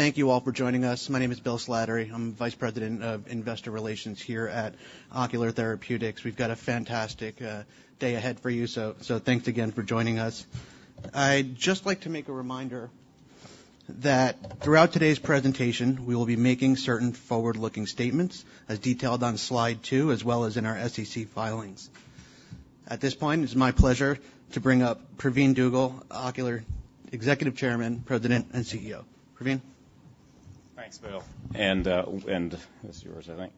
Thank you all for joining us. My name is Bill Slattery. I'm Vice President of Investor Relations here at Ocular Therapeutix. We've got a fantastic day ahead for you, so thanks again for joining us. I'd just like to make a reminder that throughout today's presentation, we will be making certain forward-looking statements, as detailed on slide two, as well as in our SEC filings. At this point, it's my pleasure to bring up Pravin Dugel, Executive Chairman, President, and CEO. Pravin? Thanks, Bill. And it's yours, I think.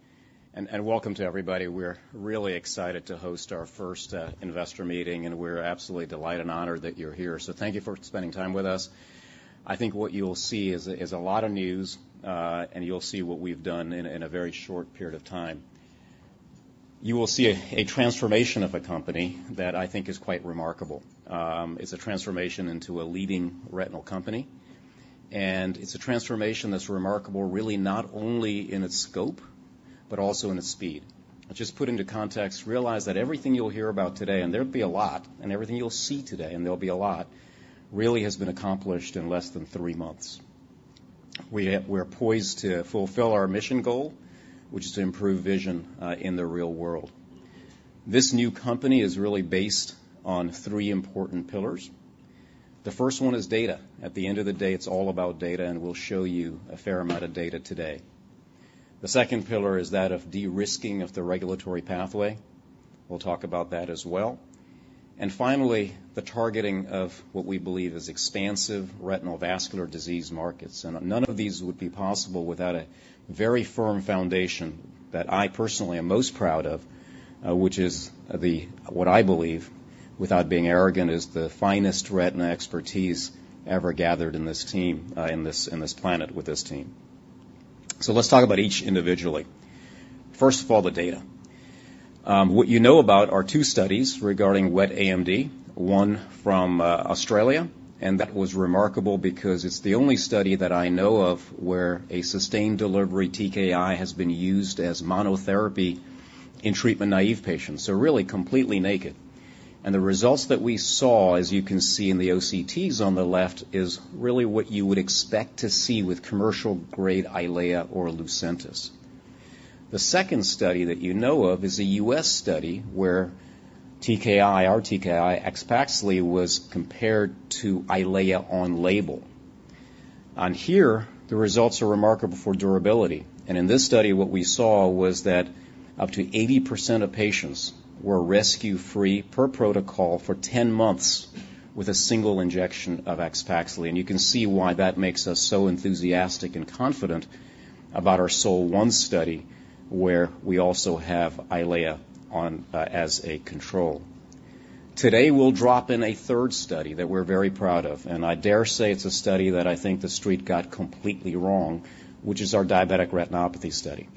And welcome to everybody. We're really excited to host our first investor meeting, and we're absolutely delighted and honored that you're here. So thank you for spending time with us. I think what you'll see is a lot of news, and you'll see what we've done in a very short period of time. You will see a transformation of a company that I think is quite remarkable. It's a transformation into a leading retinal company, and it's a transformation that's remarkable, really not only in its scope, but also in its speed. Just put into context, realize that everything you'll hear about today, and there'll be a lot, and everything you'll see today, and there'll be a lot, really has been accomplished in less than three months. We're poised to fulfill our mission goal, which is to improve vision in the real world. This new company is really based on three important pillars. The first one is data. At the end of the day, it's all about data, and we'll show you a fair amount of data today. The second pillar is that of de-risking of the regulatory pathway. We'll talk about that as well. And finally, the targeting of what we believe is expansive retinal vascular disease markets, and none of these would be possible without a very firm foundation that I personally am most proud of, which is the, what I believe, without being arrogant, is the finest retina expertise ever gathered in this team, in this, in this planet with this team. So let's talk about each individually. First of all, the data. What you know about are two studies regarding wet AMD, one from Australia, and that was remarkable because it's the only study that I know of where a sustained delivery TKI has been used as monotherapy in treatment-naive patients, so really completely naked. The results that we saw, as you can see in the OCTs on the left, is really what you would expect to see with commercial-grade EYLEA or LUCENTIS. The second study that you know of is a U.S. study where TKI, our TKI, AXPAXLI, was compared to EYLEA on label. On here, the results are remarkable for durability, and in this study, what we saw was that up to 80% of patients were rescue-free per protocol for 10 months with a single injection of AXPAXLI. And you can see why that makes us so enthusiastic and confident about our SOL-1 study, where we also have EYLEA as a control. Today, we'll drop in a third study that we're very proud of, and I dare say it's a study that I think the street got completely wrong, which is our diabetic retinopathy study.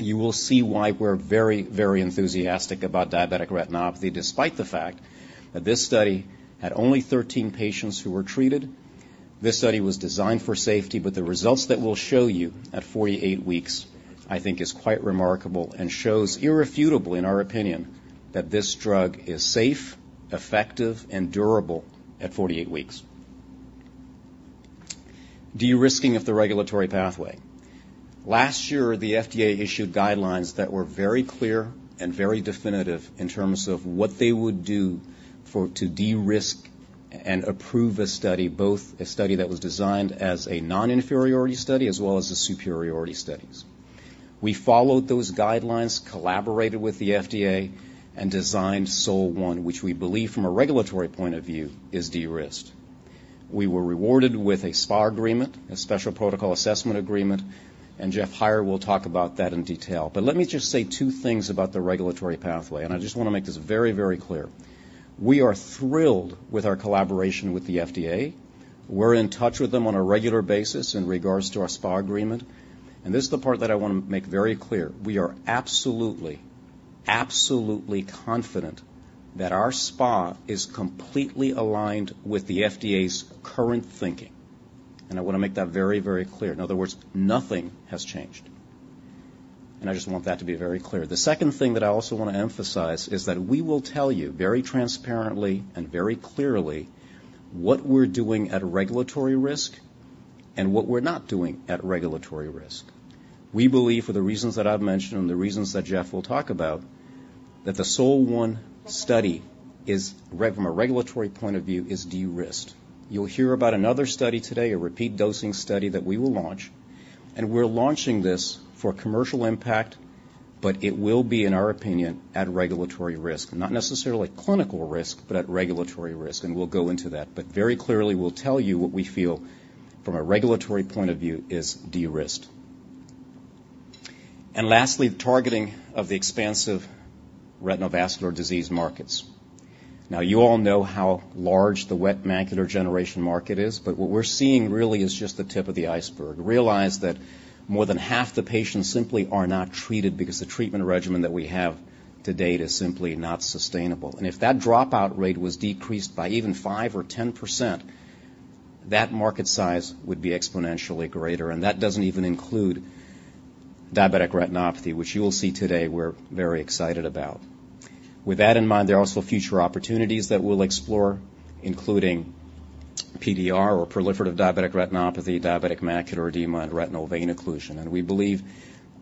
You will see why we're very, very enthusiastic about diabetic retinopathy, despite the fact that this study had only 13 patients who were treated. This study was designed for safety, but the results that we'll show you at 48 weeks, I think, is quite remarkable and shows irrefutably, in our opinion, that this drug is safe, effective, and durable at 48 weeks. De-risking of the regulatory pathway. Last year, the FDA issued guidelines that were very clear and very definitive in terms of what they would do for, to de-risk and approve a study, both a study that was designed as a non-inferiority study as well as the superiority studies. We followed those guidelines, collaborated with the FDA, and designed SOL1, which we believe from a regulatory point of view, is de-risked. We were rewarded with a SPA agreement, a special protocol assessment agreement, and Jeff Heier will talk about that in detail. But let me just say two things about the regulatory pathway, and I just want to make this very, very clear. We are thrilled with our collaboration with the FDA. We're in touch with them on a regular basis in regards to our SPA agreement, and this is the part that I want to make very clear. We are absolutely, absolutely confident that our SPA is completely aligned with the FDA's current thinking, and I want to make that very, very clear. In other words, nothing has changed, and I just want that to be very clear. The second thing that I also want to emphasize is that we will tell you very transparently and very clearly what we're doing at regulatory risk and what we're not doing at regulatory risk. We believe, for the reasons that I've mentioned and the reasons that Jeff will talk about, that the SOL1 study is, from a regulatory point of view, is de-risked. You'll hear about another study today, a repeat dosing study, that we will launch, and we're launching this for commercial impact, but it will be, in our opinion, at regulatory risk, not necessarily clinical risk, but at regulatory risk, and we'll go into that. But very clearly, we'll tell you what we feel from a regulatory point of view is de-risked. And lastly, the targeting of the expansive retinal vascular disease markets. Now, you all know how large the wet macular degeneration market is, but what we're seeing really is just the tip of the iceberg. Realize that more than half the patients simply are not treated because the treatment regimen that we have to date is simply not sustainable. And if that dropout rate was decreased by even 5% or 10%, that market size would be exponentially greater, and that doesn't even include diabetic retinopathy, which you will see today we're very excited about. With that in mind, there are also future opportunities that we'll explore, including PDR or proliferative diabetic retinopathy, diabetic macular edema, and retinal vein occlusion. We believe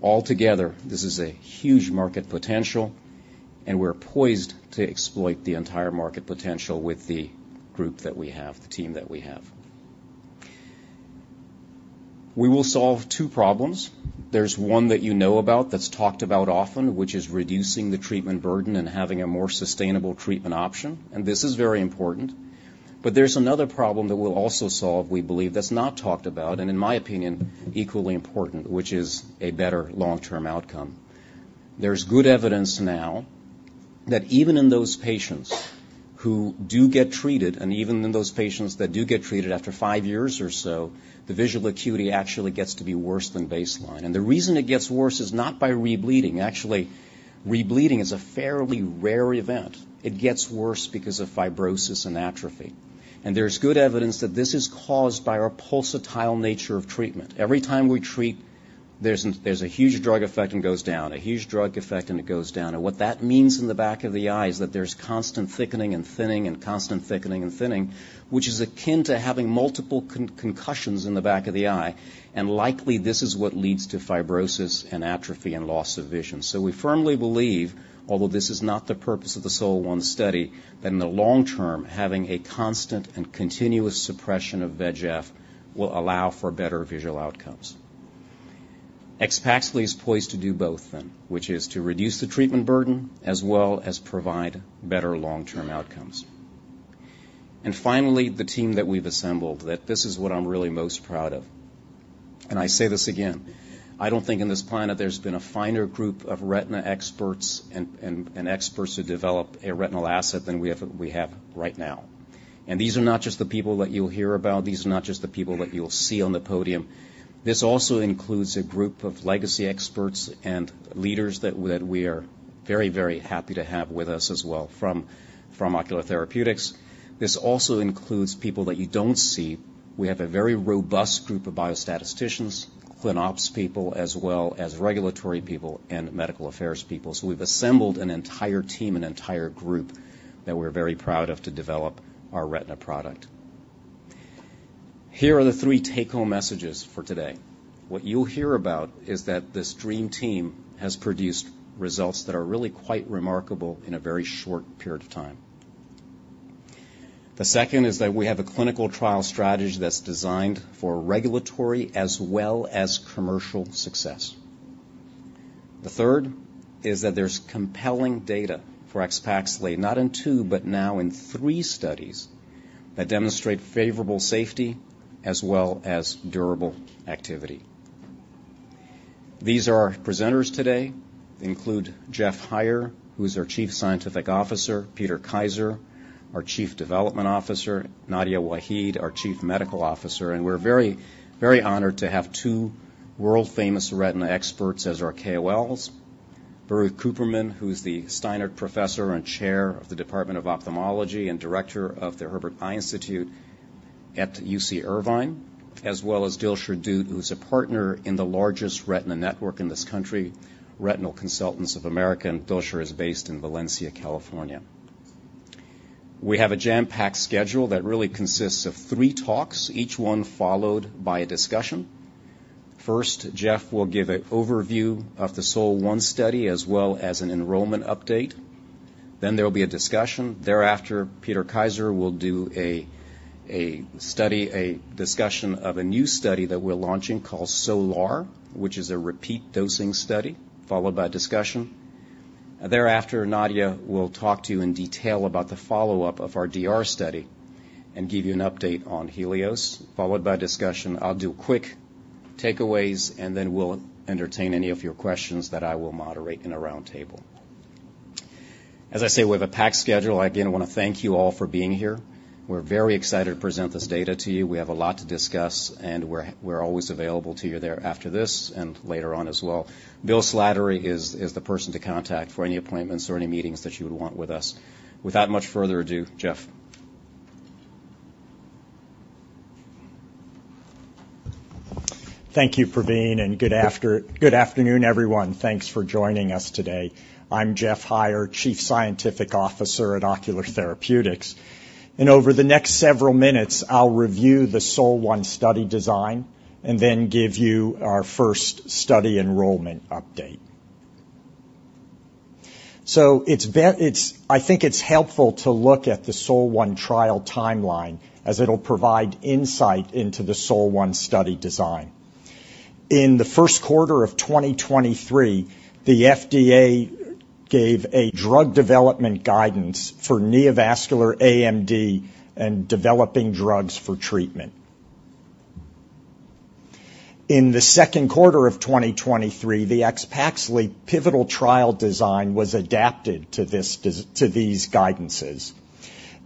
altogether, this is a huge market potential, and we're poised to exploit the entire market potential with the group that we have, the team that we have. We will solve two problems. There's one that you know about, that's talked about often, which is reducing the treatment burden and having a more sustainable treatment option, and this is very important. There's another problem that we'll also solve, we believe, that's not talked about, and in my opinion, equally important, which is a better long-term outcome. There's good evidence now that even in those patients who do get treated, and even in those patients that do get treated, after five years or so, the visual acuity actually gets to be worse than baseline. The reason it gets worse is not by rebleeding. Actually, rebleeding is a fairly rare event. It gets worse because of fibrosis and atrophy, and there's good evidence that this is caused by our pulsatile nature of treatment. Every time we treat, there's a huge drug effect, and it goes down, a huge drug effect, and it goes down. And what that means in the back of the eye is that there's constant thickening and thinning and constant thickening and thinning, which is akin to having multiple concussions in the back of the eye, and likely, this is what leads to fibrosis and atrophy and loss of vision. So we firmly believe, although this is not the purpose of the SOL-1 study, that in the long term, having a constant and continuous suppression of VEGF will allow for better visual outcomes. AXPAXLI is poised to do both then, which is to reduce the treatment burden as well as provide better long-term outcomes. Finally, the team that we've assembled, that this is what I'm really most proud of. I say this again, I don't think in this planet there's been a finer group of retina experts and experts who develop a retinal asset than we have, we have right now. These are not just the people that you'll hear about. These are not just the people that you'll see on the podium. This also includes a group of legacy experts and leaders that we are very, very happy to have with us as well, from Ocular Therapeutix. This also includes people that you don't see. We have a very robust group of biostatisticians, clin ops people, as well as regulatory people and medical affairs people. We've assembled an entire team, an entire group that we're very proud of, to develop our retina product. Here are the three take-home messages for today. What you'll hear about is that this dream team has produced results that are really quite remarkable in a very short period of time. The second is that we have a clinical trial strategy that's designed for regulatory as well as commercial success. The third is that there's compelling data for AXPAXLI, not in two, but now in three studies, that demonstrate favorable safety as well as durable activity. These are our presenters today, include Jeff Heier, who's our Chief Scientific Officer, Peter Kaiser, our Chief Development Officer, Nadia Waheed, our Chief Medical Officer, and we're very, very honored to have two world-famous retina experts as our KOLs. Baruch Kuppermann, who's the Steinert Professor and chair of the Department of Ophthalmology and director of the Gavin Herbert Eye Institute at UC Irvine, as well as Dilsher Dhoot, who's a partner in the largest retina network in this country, Retina Consultants of America, and Dilsher is based in Valencia, California. We have a jam-packed schedule that really consists of three talks, each one followed by a discussion. First, Jeff will give an overview of the SOL-1 study as well as an enrollment update. Then there will be a discussion. Thereafter, Peter Kaiser will do a discussion of a new study that we're launching called SOL-R, which is a repeat dosing study, followed by a discussion. Thereafter, Nadia will talk to you in detail about the follow-up of our DR study and give you an update on HELIOS, followed by a discussion. I'll do quick takeaways, and then we'll entertain any of your questions that I will moderate in a roundtable. As I say, we have a packed schedule. Again, I want to thank you all for being here. We're very excited to present this data to you. We have a lot to discuss, and we're always available to you there after this and later on as well. Bill Slattery is the person to contact for any appointments or any meetings that you would want with us. Without much further ado, Jeff. Thank you, Pravin, and good afternoon, everyone. Thanks for joining us today. I'm Jeff Heier, Chief Scientific Officer at Ocular Therapeutix, and over the next several minutes, I'll review the SOL-1 study design and then give you our first study enrollment update. I think it's helpful to look at the SOL-1 trial timeline, as it'll provide insight into the SOL-1 study design. In the first quarter of 2023, the FDA gave a drug development guidance for neovascular AMD and developing drugs for treatment. In the second quarter of 2023, the AXPAXLI pivotal trial design was adapted to these guidances,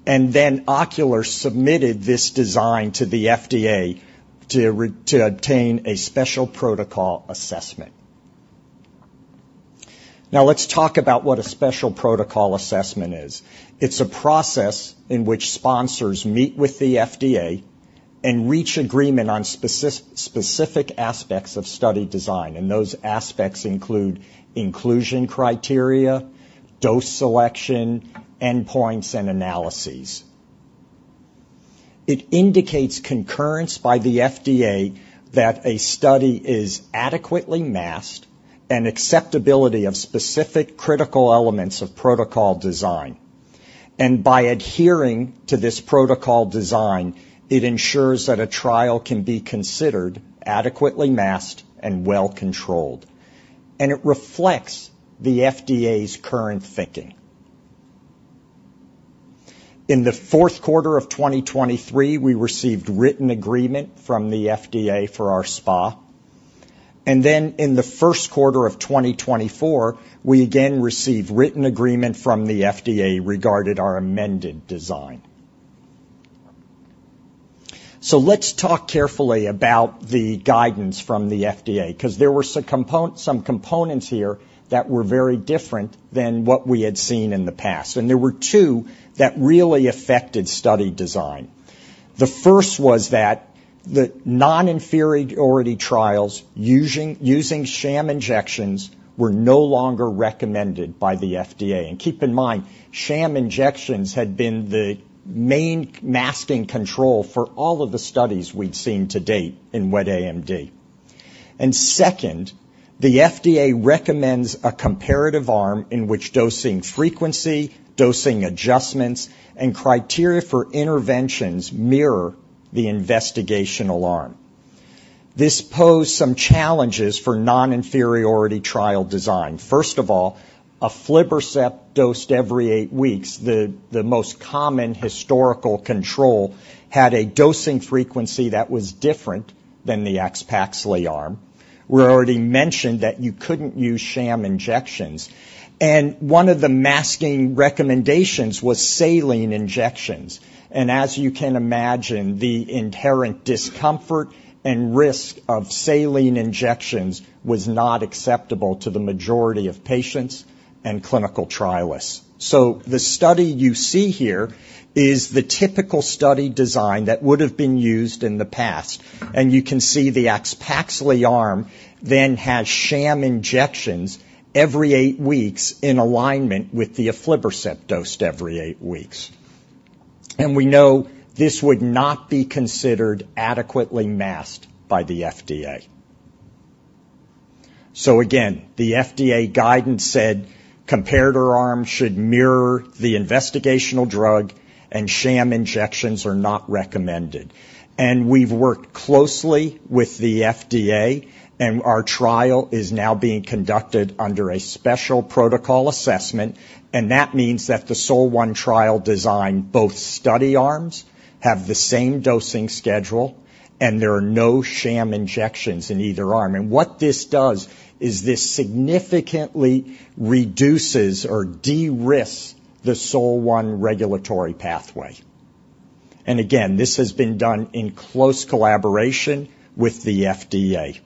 and then Ocular Therapeutix submitted this design to the FDA to obtain a special protocol assessment. Now, let's talk about what a special protocol assessment is. It's a process in which sponsors meet with the FDA. and reach agreement on specific aspects of study design, and those aspects include inclusion criteria, dose selection, endpoints, and analyses. It indicates concurrence by the FDA that a study is adequately masked, and acceptability of specific critical elements of protocol design. And by adhering to this protocol design, it ensures that a trial can be considered adequately masked and well-controlled, and it reflects the FDA's current thinking. In the fourth quarter of 2023, we received written agreement from the FDA for our SPA. And then in the first quarter of 2024, we again received written agreement from the FDA regarding our amended design. So let's talk carefully about the guidance from the FDA, 'cause there were some components here that were very different than what we had seen in the past, and there were two that really affected study design. The first was that the non-inferiority trials using sham injections were no longer recommended by the FDA. And keep in mind, sham injections had been the main masking control for all of the studies we'd seen to date in wet AMD. And second, the FDA recommends a comparative arm in which dosing frequency, dosing adjustments, and criteria for interventions mirror the investigational arm. This posed some challenges for non-inferiority trial design. First of all, aflibercept dosed every eight weeks, the most common historical control, had a dosing frequency that was different than the axitinib arm. We already mentioned that you couldn't use sham injections, and one of the masking recommendations was saline injections. And as you can imagine, the inherent discomfort and risk of saline injections was not acceptable to the majority of patients and clinical trialists. So the study you see here is the typical study design that would have been used in the past, and you can see the axitinib arm then has sham injections every eight weeks in alignment with the aflibercept dosed every eight weeks. We know this would not be considered adequately masked by the FDA. Again, the FDA guidance said comparator arm should mirror the investigational drug, and sham injections are not recommended. We've worked closely with the FDA, and our trial is now being conducted under a Special Protocol Assessment, and that means that the SOL-1 trial design, both study arms, have the same dosing schedule, and there are no sham injections in either arm. What this does is this significantly reduces or de-risks the SOL-1 regulatory pathway. Again, this has been done in close collaboration with the FDA.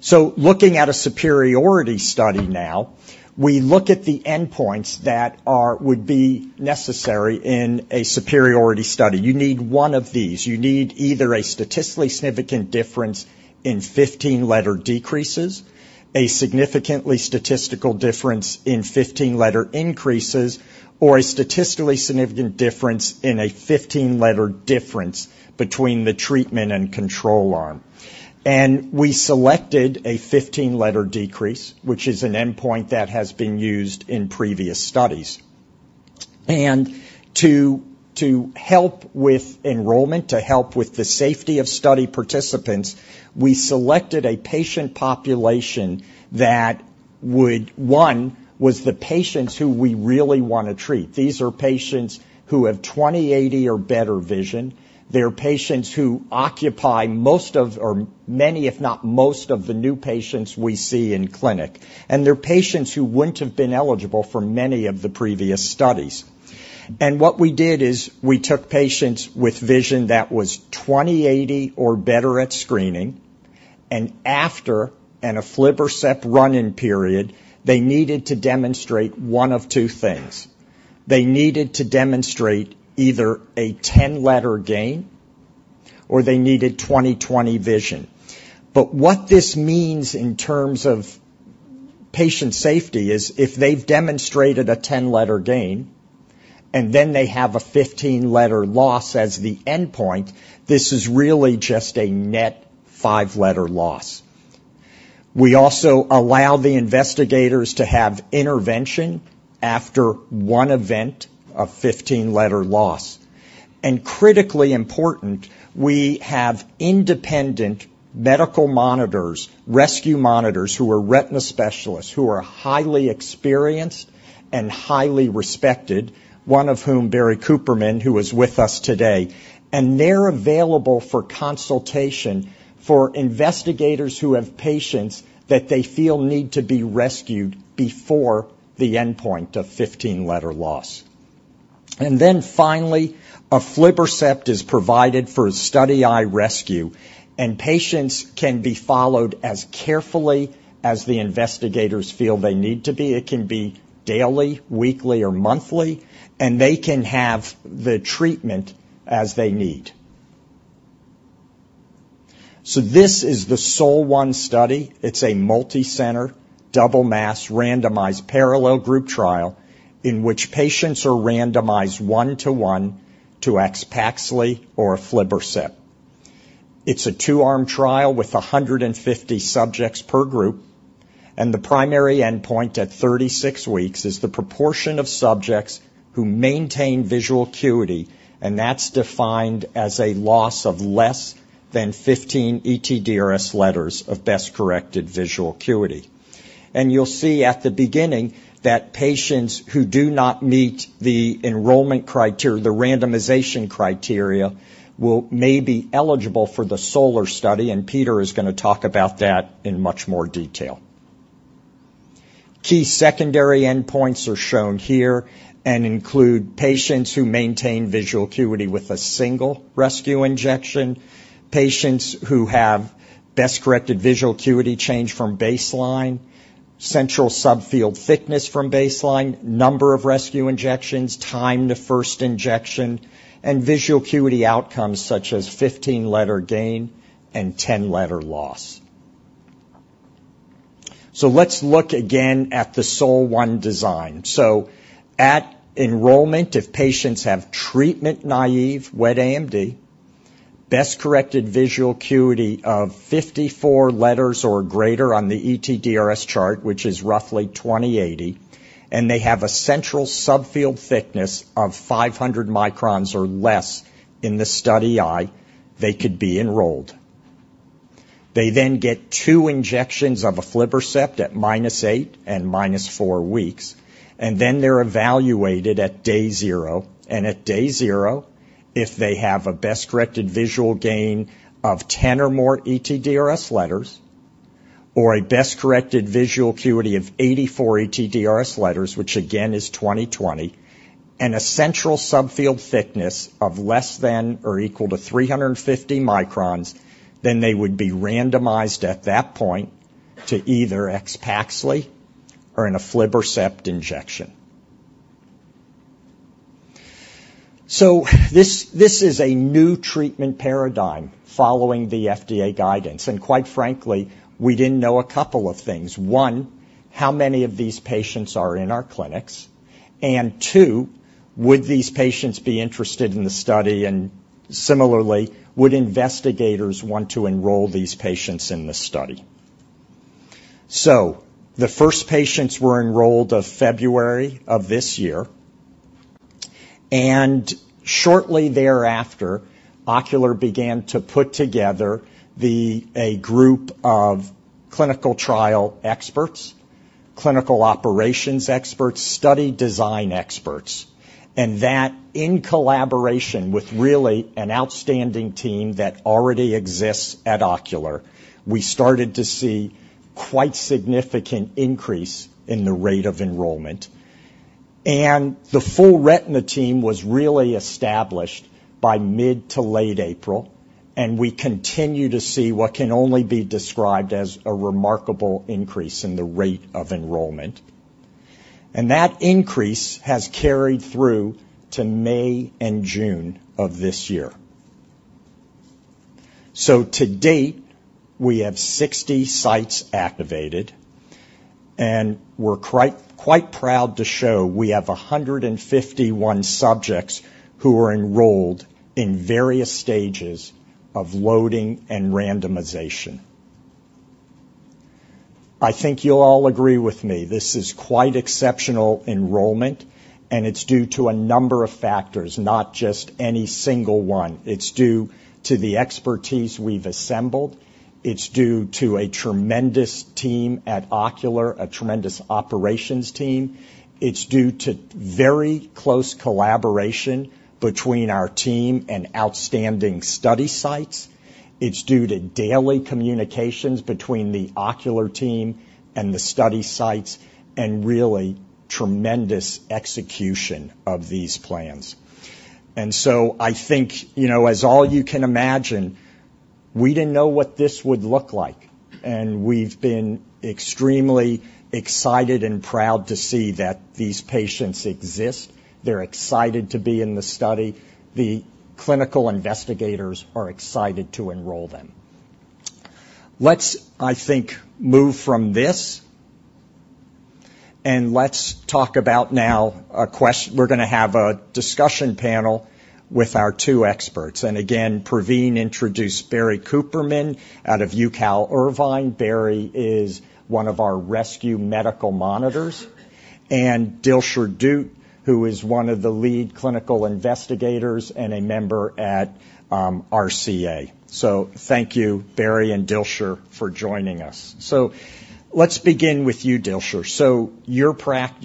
So looking at a superiority study now, we look at the endpoints that are—would be necessary in a superiority study. You need one of these. You need either a statistically significant difference in 15-letter decreases, a significantly statistical difference in 15-letter increases, or a statistically significant difference in a 15-letter difference between the treatment and control arm. And we selected a 15-letter decrease, which is an endpoint that has been used in previous studies. And to, to help with enrollment, to help with the safety of study participants, we selected a patient population that would, one, was the patients who we really want to treat. These are patients who have 20/80 or better vision. They're patients who occupy most of, or many, if not most, of the new patients we see in clinic, and they're patients who wouldn't have been eligible for many of the previous studies. What we did is we took patients with vision that was 20/80 or better at screening, and after an aflibercept run-in period, they needed to demonstrate one of two things. They needed to demonstrate either a 10-letter gain, or they needed 20/20 vision. But what this means in terms of patient safety is if they've demonstrated a 10-letter gain, and then they have a 15-letter loss as the endpoint, this is really just a net 5-letter loss. We also allow the investigators to have intervention after one event of 15-letter loss. Critically important, we have independent medical monitors, rescue monitors, who are retina specialists, who are highly experienced and highly respected, one of whom, Barry Kuppermann, who is with us today. And they're available for consultation for investigators who have patients that they feel need to be rescued before the endpoint of 15-letter loss. Then finally, aflibercept is provided for study eye rescue, and patients can be followed as carefully as the investigators feel they need to be. It can be daily, weekly, or monthly, and they can have the treatment as they need.... This is the SOL-1 study. It's a multicenter, double-masked, randomized parallel group trial, in which patients are randomized 1:1 to AXPAXLI or aflibercept. It's a two-arm trial with 150 subjects per group, and the primary endpoint at 36 weeks is the proportion of subjects who maintain visual acuity, and that's defined as a loss of less than 15 ETDRS letters of best-corrected visual acuity. You'll see at the beginning that patients who do not meet the enrollment criteria, the randomization criteria, may be eligible for the SOL-R study, and Peter is going to talk about that in much more detail. Key secondary endpoints are shown here and include patients who maintain visual acuity with a single rescue injection, patients who have best-corrected visual acuity change from baseline, central subfield thickness from baseline, number of rescue injections, time to first injection, and visual acuity outcomes such as 15-letter gain and 10-letter loss. Let's look again at the SOL-1 design. At enrollment, if patients have treatment-naive wet AMD, best-corrected visual acuity of 54 letters or greater on the ETDRS chart, which is roughly 20/80, and they have a central subfield thickness of 500 microns or less in the study eye, they could be enrolled. They then get two injections of aflibercept at minus eight and minus four weeks, and then they're evaluated at day zero. At day zero, if they have a best-corrected visual gain of 10 or more ETDRS letters or a best-corrected visual acuity of 84 ETDRS letters, which again is 20/20, and a central subfield thickness of less than or equal to 350 microns, then they would be randomized at that point to either AXPAXLI or an aflibercept injection. So this, this is a new treatment paradigm following the FDA guidance, and quite frankly, we didn't know a couple of things. One, how many of these patients are in our clinics? And two, would these patients be interested in the study, and similarly, would investigators want to enroll these patients in the study? So the first patients were enrolled in February of this year, and shortly thereafter, Ocular began to put together the group of clinical trial experts, clinical operations experts, study design experts. That in collaboration with really an outstanding team that already exists at Ocular, we started to see quite significant increase in the rate of enrollment. The full retina team was really established by mid to late April, and we continue to see what can only be described as a remarkable increase in the rate of enrollment. That increase has carried through to May and June of this year. So to date, we have 60 sites activated, and we're quite, quite proud to show we have 151 subjects who are enrolled in various stages of loading and randomization. I think you'll all agree with me, this is quite exceptional enrollment, and it's due to a number of factors, not just any single one. It's due to the expertise we've assembled. It's due to a tremendous team at Ocular, a tremendous operations team. It's due to very close collaboration between our team and outstanding study sites. It's due to daily communications between the Ocular team and the study sites and really tremendous execution of these plans. And so I think, you know, as all you can imagine, we didn't know what this would look like, and we've been extremely excited and proud to see that these patients exist. They're excited to be in the study. The clinical investigators are excited to enroll them. Let's, I think, move from this, and let's talk about now a quest-- we're going to have a discussion panel with our two experts. And again, Pravin introduced Barry Kuppermann out of UC Irvine. Barry is one of our rescue medical monitors, and Dilsher Dhoot, who is one of the lead clinical investigators and a member at RCA. So thank you, Barry and Dilsher, for joining us. Let's begin with you, Dilsher. Your practice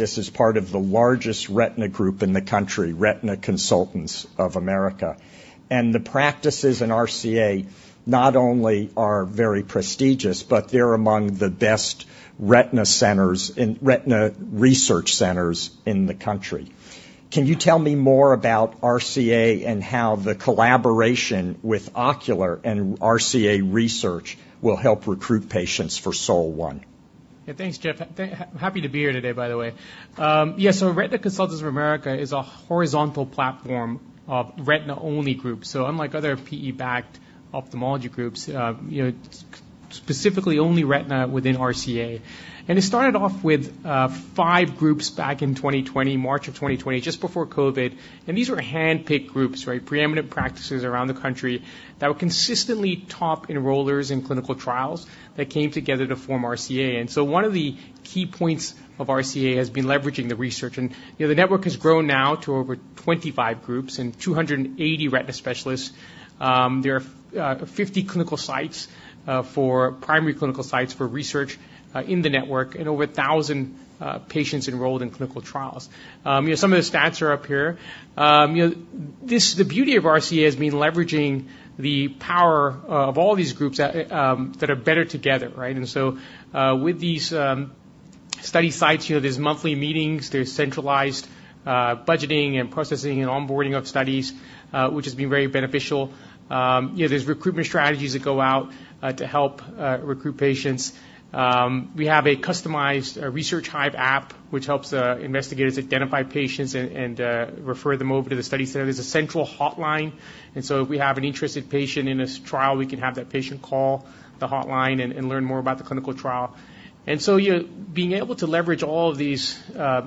is part of the largest retina group in the country, Retina Consultants of America. The practices in RCA not only are very prestigious, but they're among the best retina centers and retina research centers in the country. Can you tell me more about RCA and how the collaboration with Ocular and RCA research will help recruit patients for SOL-1? Yeah, thanks, Jeff. Happy to be here today, by the way. Yeah, so Retina Consultants of America is a horizontal platform of retina-only groups. So unlike other PE-backed ophthalmology groups, you know, specifically only retina within RCA. And it started off with five groups back in 2020, March of 2020, just before COVID. And these were handpicked groups, right? Preeminent practices around the country that were consistently top enrollers in clinical trials that came together to form RCA. And so one of the key points of RCA has been leveraging the research. And, you know, the network has grown now to over 25 groups and 280 retina specialists. There are 50 clinical sites for primary clinical sites for research in the network, and over 1,000 patients enrolled in clinical trials. You know, some of the stats are up here. You know, this, the beauty of RCA has been leveraging the power of all these groups that are better together, right? And so, with these study sites, you know, there's monthly meetings, there's centralized budgeting and processing and onboarding of studies, which has been very beneficial. You know, there's recruitment strategies that go out to help recruit patients. We have a customized Research Hive app, which helps investigators identify patients and refer them over to the study center. There's a central hotline, and so if we have an interested patient in this trial, we can have that patient call the hotline and learn more about the clinical trial. You know, being able to leverage all of these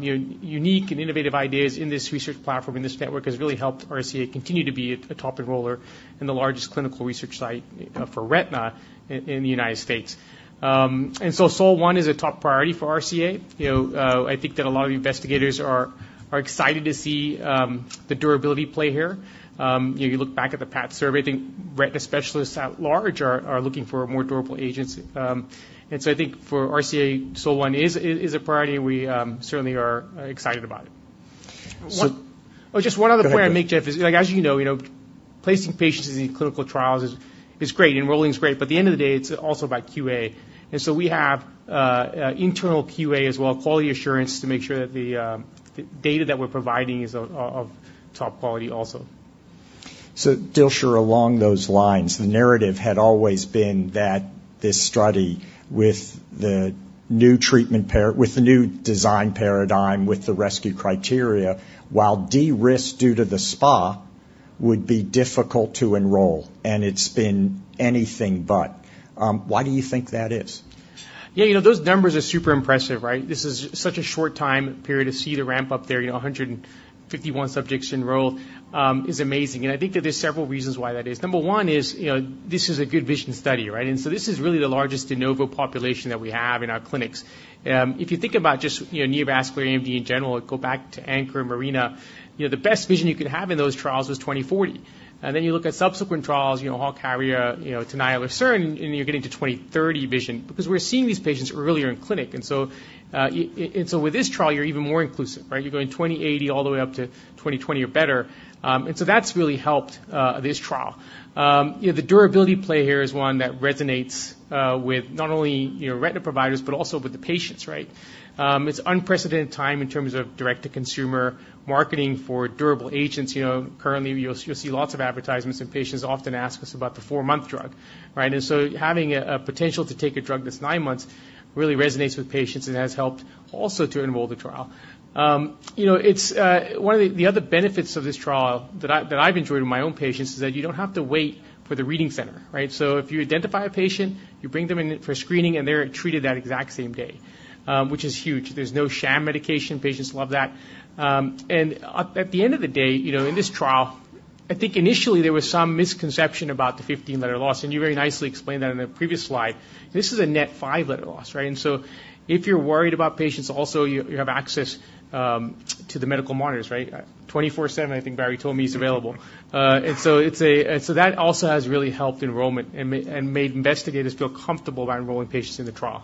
unique and innovative ideas in this research platform, in this network, has really helped RCA continue to be a top enroller and the largest clinical research site for retina in the United States. So SOL-1 is a top priority for RCA. You know, I think that a lot of investigators are excited to see the durability play here. You know, you look back at the PAT Survey, I think retina specialists at large are looking for more durable agents. So I think for RCA, SOL-1 is a priority, and we certainly are excited about it. Oh, just one other point I'll make, Jeff, is, like, as you know, you know, placing patients in clinical trials is, is great, enrolling is great, but at the end of the day, it's also about QA. And so we have internal QA as well, quality assurance, to make sure that the, the data that we're providing is of, of, of top quality also. Dilsher, along those lines, the narrative had always been that this study with the new design paradigm, with the rescue criteria, while de-risked due to the SPA, would be difficult to enroll, and it's been anything but. Why do you think that is? Yeah, you know, those numbers are super impressive, right? This is such a short time period to see the ramp up there, you know, 151 subjects enrolled is amazing. And I think that there's several reasons why that is. Number one is, you know, this is a good vision study, right? And so this is really the largest de novo population that we have in our clinics. If you think about just, you know, neovascular AMD in general, go back to ANCHOR and MARINA, you know, the best vision you could have in those trials was 20/40. And then you look at subsequent trials, you know, Halcaria, you know, to Nilotran, and you're getting to 20/30 vision because we're seeing these patients earlier in clinic. And so with this trial, you're even more inclusive, right? You're going 20/80 all the way up to 20/20 or better. And so that's really helped this trial. You know, the durability play here is one that resonates with not only, you know, retina providers, but also with the patients, right? It's unprecedented time in terms of direct-to-consumer marketing for durable agents. You know, currently, you'll see lots of advertisements, and patients often ask us about the four-month drug, right? And so having a potential to take a drug that's nine months really resonates with patients and has helped also to enroll the trial. You know, it's... One of the other benefits of this trial that I've enjoyed with my own patients is that you don't have to wait for the reading center, right? So if you identify a patient, you bring them in for screening, and they're treated that exact same day, which is huge. There's no sham medication. Patients love that. And at the end of the day, you know, in this trial, I think initially there was some misconception about the 15 letter loss, and you very nicely explained that in a previous slide. This is a net five letter loss, right? And so if you're worried about patients, also, you have access to the medical monitors, right? 24/7, I think Barry told me, he's available. And so that also has really helped enrollment and made investigators feel comfortable about enrolling patients in the trial.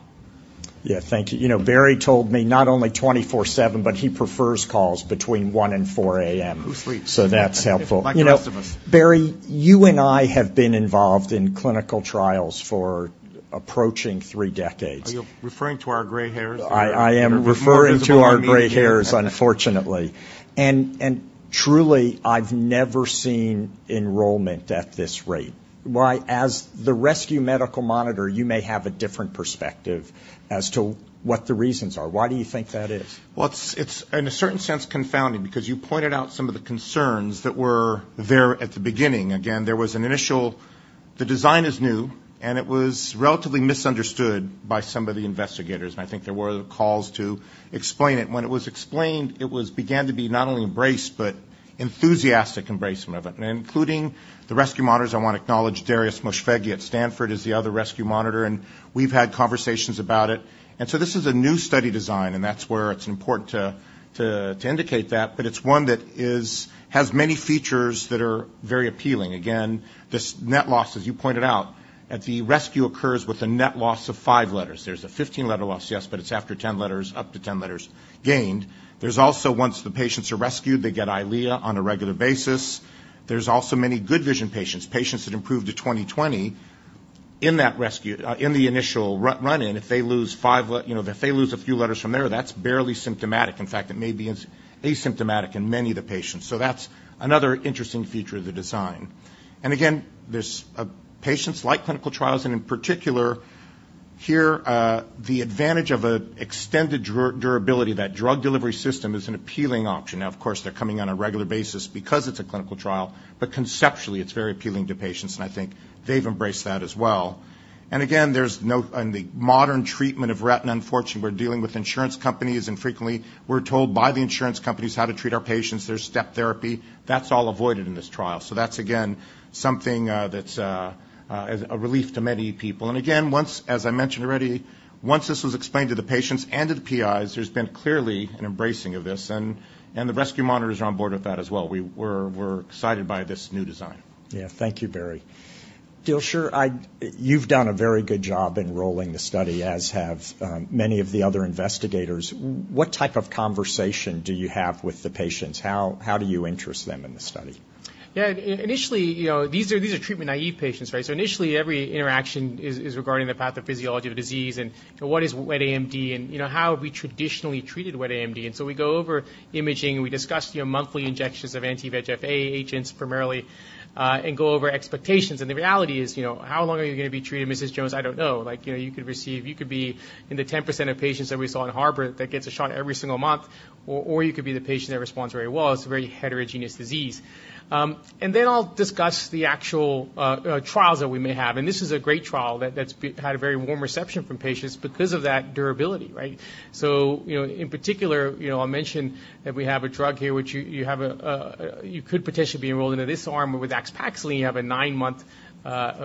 Yeah, thank you. You know, Barry told me not only 24/7, but he prefers calls between 1 A.M. and 4 A.M. Who sleeps? That's helpful. Like the rest of us. Barry, you and I have been involved in clinical trials for approaching three decades. Are you referring to our gray hairs? I am referring to our gray hairs, unfortunately. And truly, I've never seen enrollment at this rate. Why, as the rescue medical monitor, you may have a different perspective as to what the reasons are. Why do you think that is? Well, it's in a certain sense, confounding, because you pointed out some of the concerns that were there at the beginning. Again, there was an initial... The design is new, and it was relatively misunderstood by some of the investigators. I think there were calls to explain it. When it was explained, it was began to be not only embraced, but enthusiastic embrace of it, including the rescue monitors. I want to acknowledge Darius Moshfeghi at Stanford, is the other rescue monitor, and we've had conversations about it. And so this is a new study design, and that's where it's important to indicate that, but it's one that is—has many features that are very appealing. Again, this net loss, as you pointed out, at the rescue occurs with a net loss of five letters. There's a 15-letter loss, yes, but it's after 10 letters, up to 10 letters gained. There's also, once the patients are rescued, they get EYLEA on a regular basis. There's also many good vision patients, patients that improve to 20/20 in that rescue, in the initial run-in. If they lose five letters, you know, if they lose a few letters from there, that's barely symptomatic. In fact, it may be asymptomatic in many of the patients. So that's another interesting feature of the design. And again, there's patients like clinical trials, and in particular here, the advantage of an extended durability, that drug delivery system is an appealing option. Now, of course, they're coming on a regular basis because it's a clinical trial, but conceptually it's very appealing to patients, and I think they've embraced that as well. And again, there's no on the modern treatment of retina, unfortunately, we're dealing with insurance companies, and frequently we're told by the insurance companies how to treat our patients. There's step therapy. That's all avoided in this trial. So that's, again, something that's is a relief to many people. And again, once, as I mentioned already, once this was explained to the patients and to the PIs, there's been clearly an embracing of this, and the rescue monitors are on board with that as well. We're excited by this new design. Yeah. Thank you, Barry. Dilsher, you've done a very good job enrolling the study, as have many of the other investigators. What type of conversation do you have with the patients? How do you interest them in the study? Yeah, initially, you know, these are treatment-naive patients, right? So initially, every interaction is regarding the pathophysiology of the disease and what is wet AMD and, you know, how have we traditionally treated wet AMD. And so we go over imaging, and we discuss, you know, monthly injections of anti-VEGF-A agents primarily, and go over expectations. And the reality is, you know, how long are you gonna be treated, Mrs. Jones? I don't know. Like, you know, you could receive—you could be in the 10% of patients that we saw in Harbor that gets a shot every single month, or you could be the patient that responds very well. It's a very heterogeneous disease. And then I'll discuss the actual trials that we may have, and this is a great trial that's had a very warm reception from patients because of that durability, right? So, you know, in particular, you know, I'll mention that we have a drug here which you could potentially be enrolled into this arm, or with AXPAXLI, you have a nine-month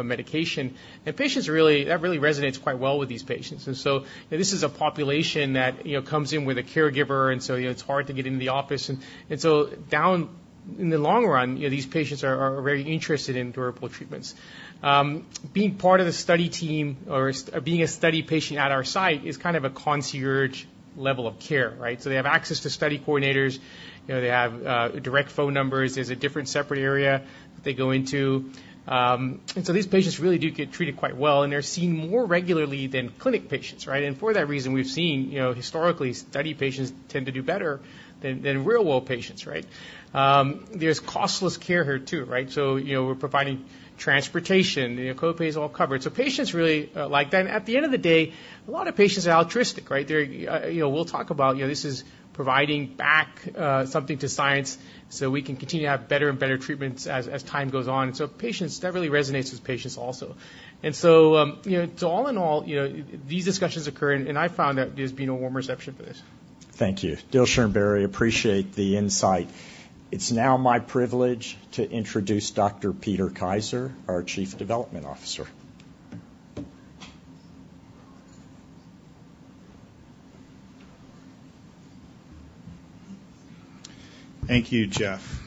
medication. And patients really that really resonates quite well with these patients. And so this is a population that, you know, comes in with a caregiver, and so, you know, it's hard to get into the office. And so down in the long run, you know, these patients are very interested in durable treatments. Being part of the study team or being a study patient at our site is kind of a concierge level of care, right? So they have access to study coordinators. You know, they have direct phone numbers. There's a different, separate area they go into. And so these patients really do get treated quite well, and they're seen more regularly than clinic patients, right? And for that reason, we've seen, you know, historically, study patients tend to do better than real-world patients, right? There's costless care here, too, right? So, you know, we're providing transportation, you know, copay is all covered. So patients really like that. And at the end of the day, a lot of patients are altruistic, right? They're, you know, we'll talk about, you know, this is providing back something to science so we can continue to have better and better treatments as time goes on. So, patients, that really resonates with patients also. So, you know, so all in all, you know, these discussions occur, and I found that there's been a warm reception for this. Thank you. Dilsher and Barry, appreciate the insight. It's now my privilege to introduce Dr. Peter Kaiser, our Chief Development Officer. Thank you, Jeff.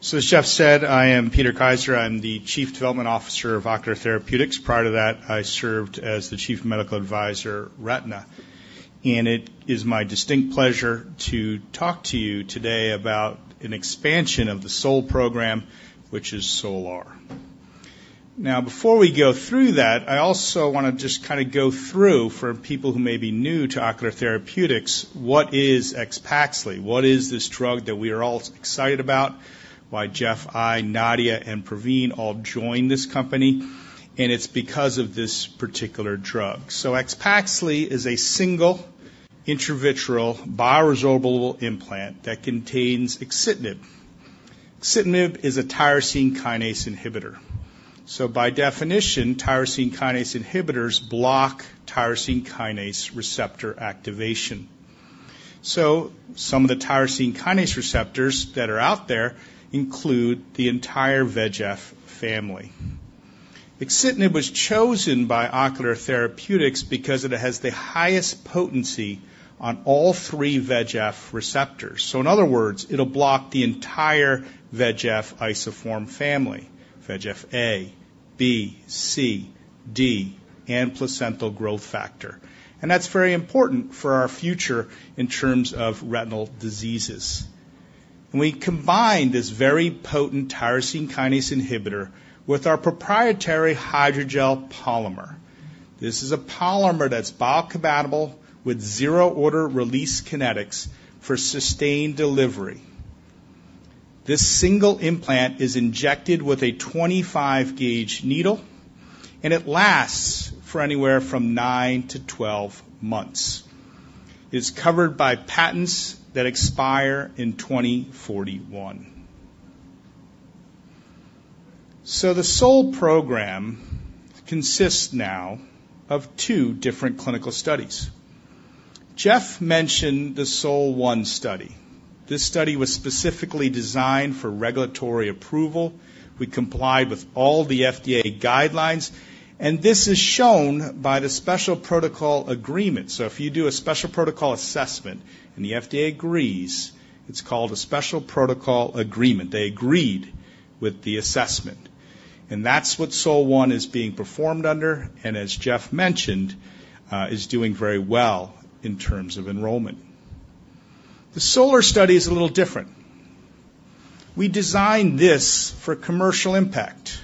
So as Jeff said, I am Peter Kaiser. I'm the Chief Development Officer of Ocular Therapeutix. Prior to that, I served as the chief medical advisor, Retina, and it is my distinct pleasure to talk to you today about an expansion of the SOL program, which is SOL-R. Now, before we go through that, I also want to just kind of go through, for people who may be new to Ocular Therapeutix, what is AXPAXLI? What is this drug that we are all excited about? Why Jeff, I, Nadia, and Pravin all joined this company, and it's because of this particular drug. So AXPAXLI is a single intravitreal bioresorbable implant that contains axitinib. Axitinib is a tyrosine kinase inhibitor. So by definition, tyrosine kinase inhibitors block tyrosine kinase receptor activation. So some of the tyrosine kinase receptors that are out there include the entire VEGF family. Axitinib was chosen by Ocular Therapeutix because it has the highest potency on all three VEGF receptors. So in other words, it'll block the entire VEGF isoform family, VEGF-A, B, C, D, and placental growth factor. And that's very important for our future in terms of retinal diseases. We combine this very potent tyrosine kinase inhibitor with our proprietary hydrogel polymer. This is a polymer that's biocompatible with zero order release kinetics for sustained delivery. This single implant is injected with a 25-gauge needle, and it lasts for anywhere from 9-12 months. It's covered by patents that expire in 2041. So the SOL program consists now of two different clinical studies. Jeff mentioned the SOL-1 study. This study was specifically designed for regulatory approval. We complied with all the FDA guidelines, and this is shown by the Special Protocol Assessment. So if you do a Special Protocol Assessment and the FDA agrees, it's called a Special Protocol Agreement. They agreed with the assessment, and that's what SOL-1 is being performed under, and as Jeff mentioned, is doing very well in terms of enrollment. The SOL-R study is a little different. We designed this for commercial impact.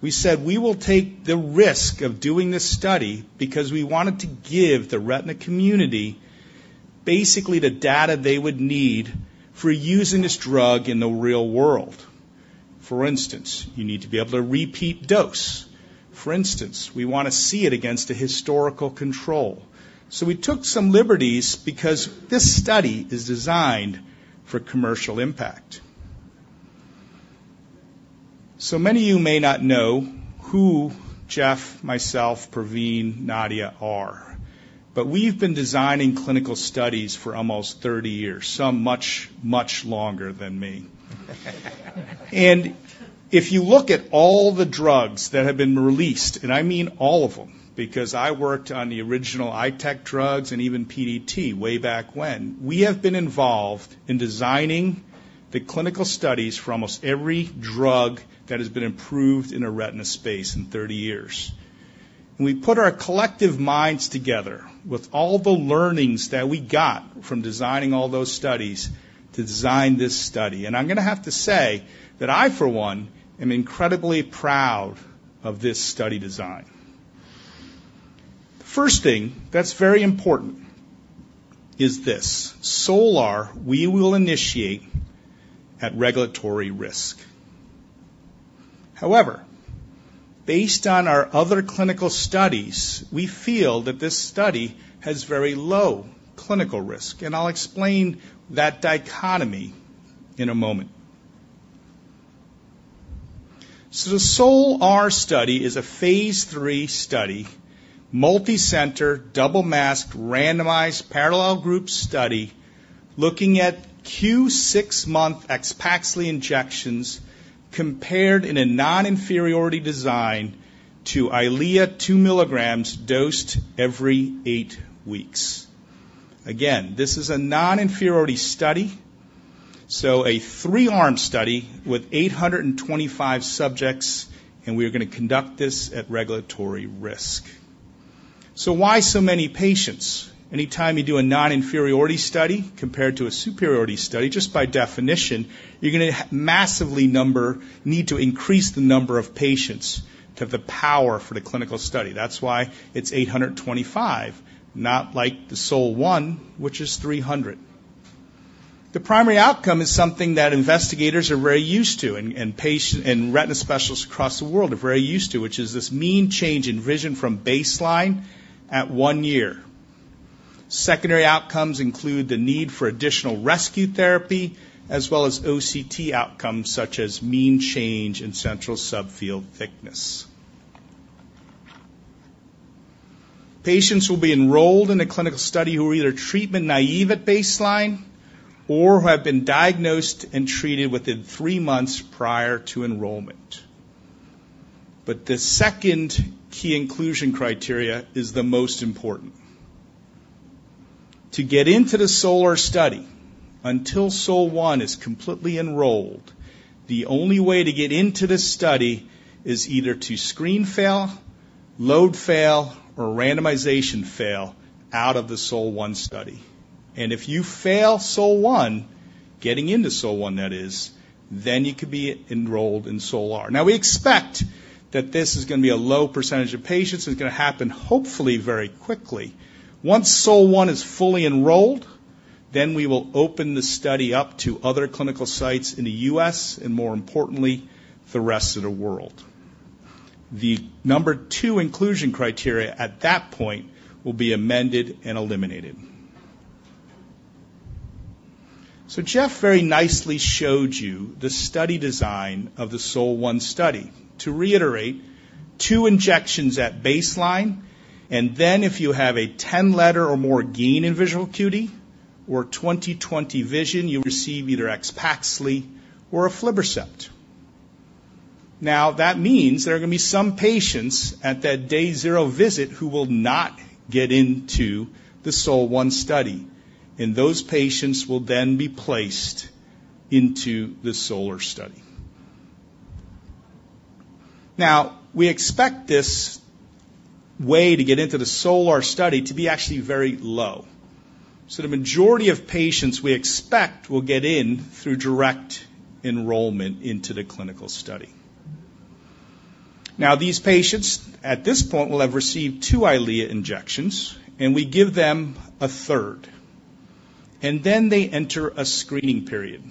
We said we will take the risk of doing this study because we wanted to give the retina community basically the data they would need for using this drug in the real world. For instance, you need to be able to repeat dose. For instance, we want to see it against a historical control. So we took some liberties because this study is designed for commercial impact. So many of you may not know who Jeff, myself, Pravin, Nadia are, but we've been designing clinical studies for almost 30 years, some much, much longer than me. And if you look at all the drugs that have been released, and I mean all of them, because I worked on the original Eyetech drugs and even PDT way back when. We have been involved in designing the clinical studies for almost every drug that has been approved in the retina space in 30 years. We put our collective minds together with all the learnings that we got from designing all those studies to design this study. And I'm going to have to say that I, for one, am incredibly proud of this study design. First thing that's very important is this: SOL-R, we will initiate at regulatory risk. However, based on our other clinical studies, we feel that this study has very low clinical risk, and I'll explain that dichotomy in a moment. So the SOL-R study is a phase III study, multicenter, double-masked, randomized, parallel group study, looking at Q 6-month AXPAXLI injections compared in a non-inferiority design to EYLEA 2mg dosed every eight weeks. Again, this is a non-inferiority study, so a three-arm study with 825 subjects, and we are going to conduct this at regulatory risk. So why so many patients? Anytime you do a non-inferiority study compared to a superiority study, just by definition, you're gonna have massively number, need to increase the number of patients to have the power for the clinical study. That's why it's 825, not like the SOL-1, which is 300. The primary outcome is something that investigators are very used to, and patients and retina specialists across the world are very used to, which is this mean change in vision from baseline at one year. Secondary outcomes include the need for additional rescue therapy, as well as OCT outcomes, such as mean change in central subfield thickness. Patients will be enrolled in a clinical study who are either treatment naive at baseline or who have been diagnosed and treated within three months prior to enrollment. But the second key inclusion criteria is the most important. To get into the SOL-R study, until SOL-1 is completely enrolled, the only way to get into this study is either to screen fail, load fail, or randomization fail out of the SOL-1 study. If you fail SOL-1, getting into SOL-1, that is, then you could be enrolled in SOL-R. Now, we expect that this is going to be a low percentage of patients. It's going to happen hopefully very quickly. Once SOL-1 is fully enrolled, then we will open the study up to other clinical sites in the US, and more importantly, the rest of the world. The number two inclusion criteria at that point will be amended and eliminated. So Jeff very nicely showed you the study design of the SOL-1 study. To reiterate, two injections at baseline, and then if you have a 10-letter or more gain in visual acuity or 20/20 vision, you receive either AXPAXLI or aflibercept. Now, that means there are going to be some patients at that day zero visit who will not get into the SOL-1 study, and those patients will then be placed into the SOL-R study. Now, we expect this way to get into the SOL-R study to be actually very low. So the majority of patients we expect will get in through direct enrollment into the clinical study. Now, these patients, at this point, will have received 2 EYLEA injections, and we give them a third, and then they enter a screening period.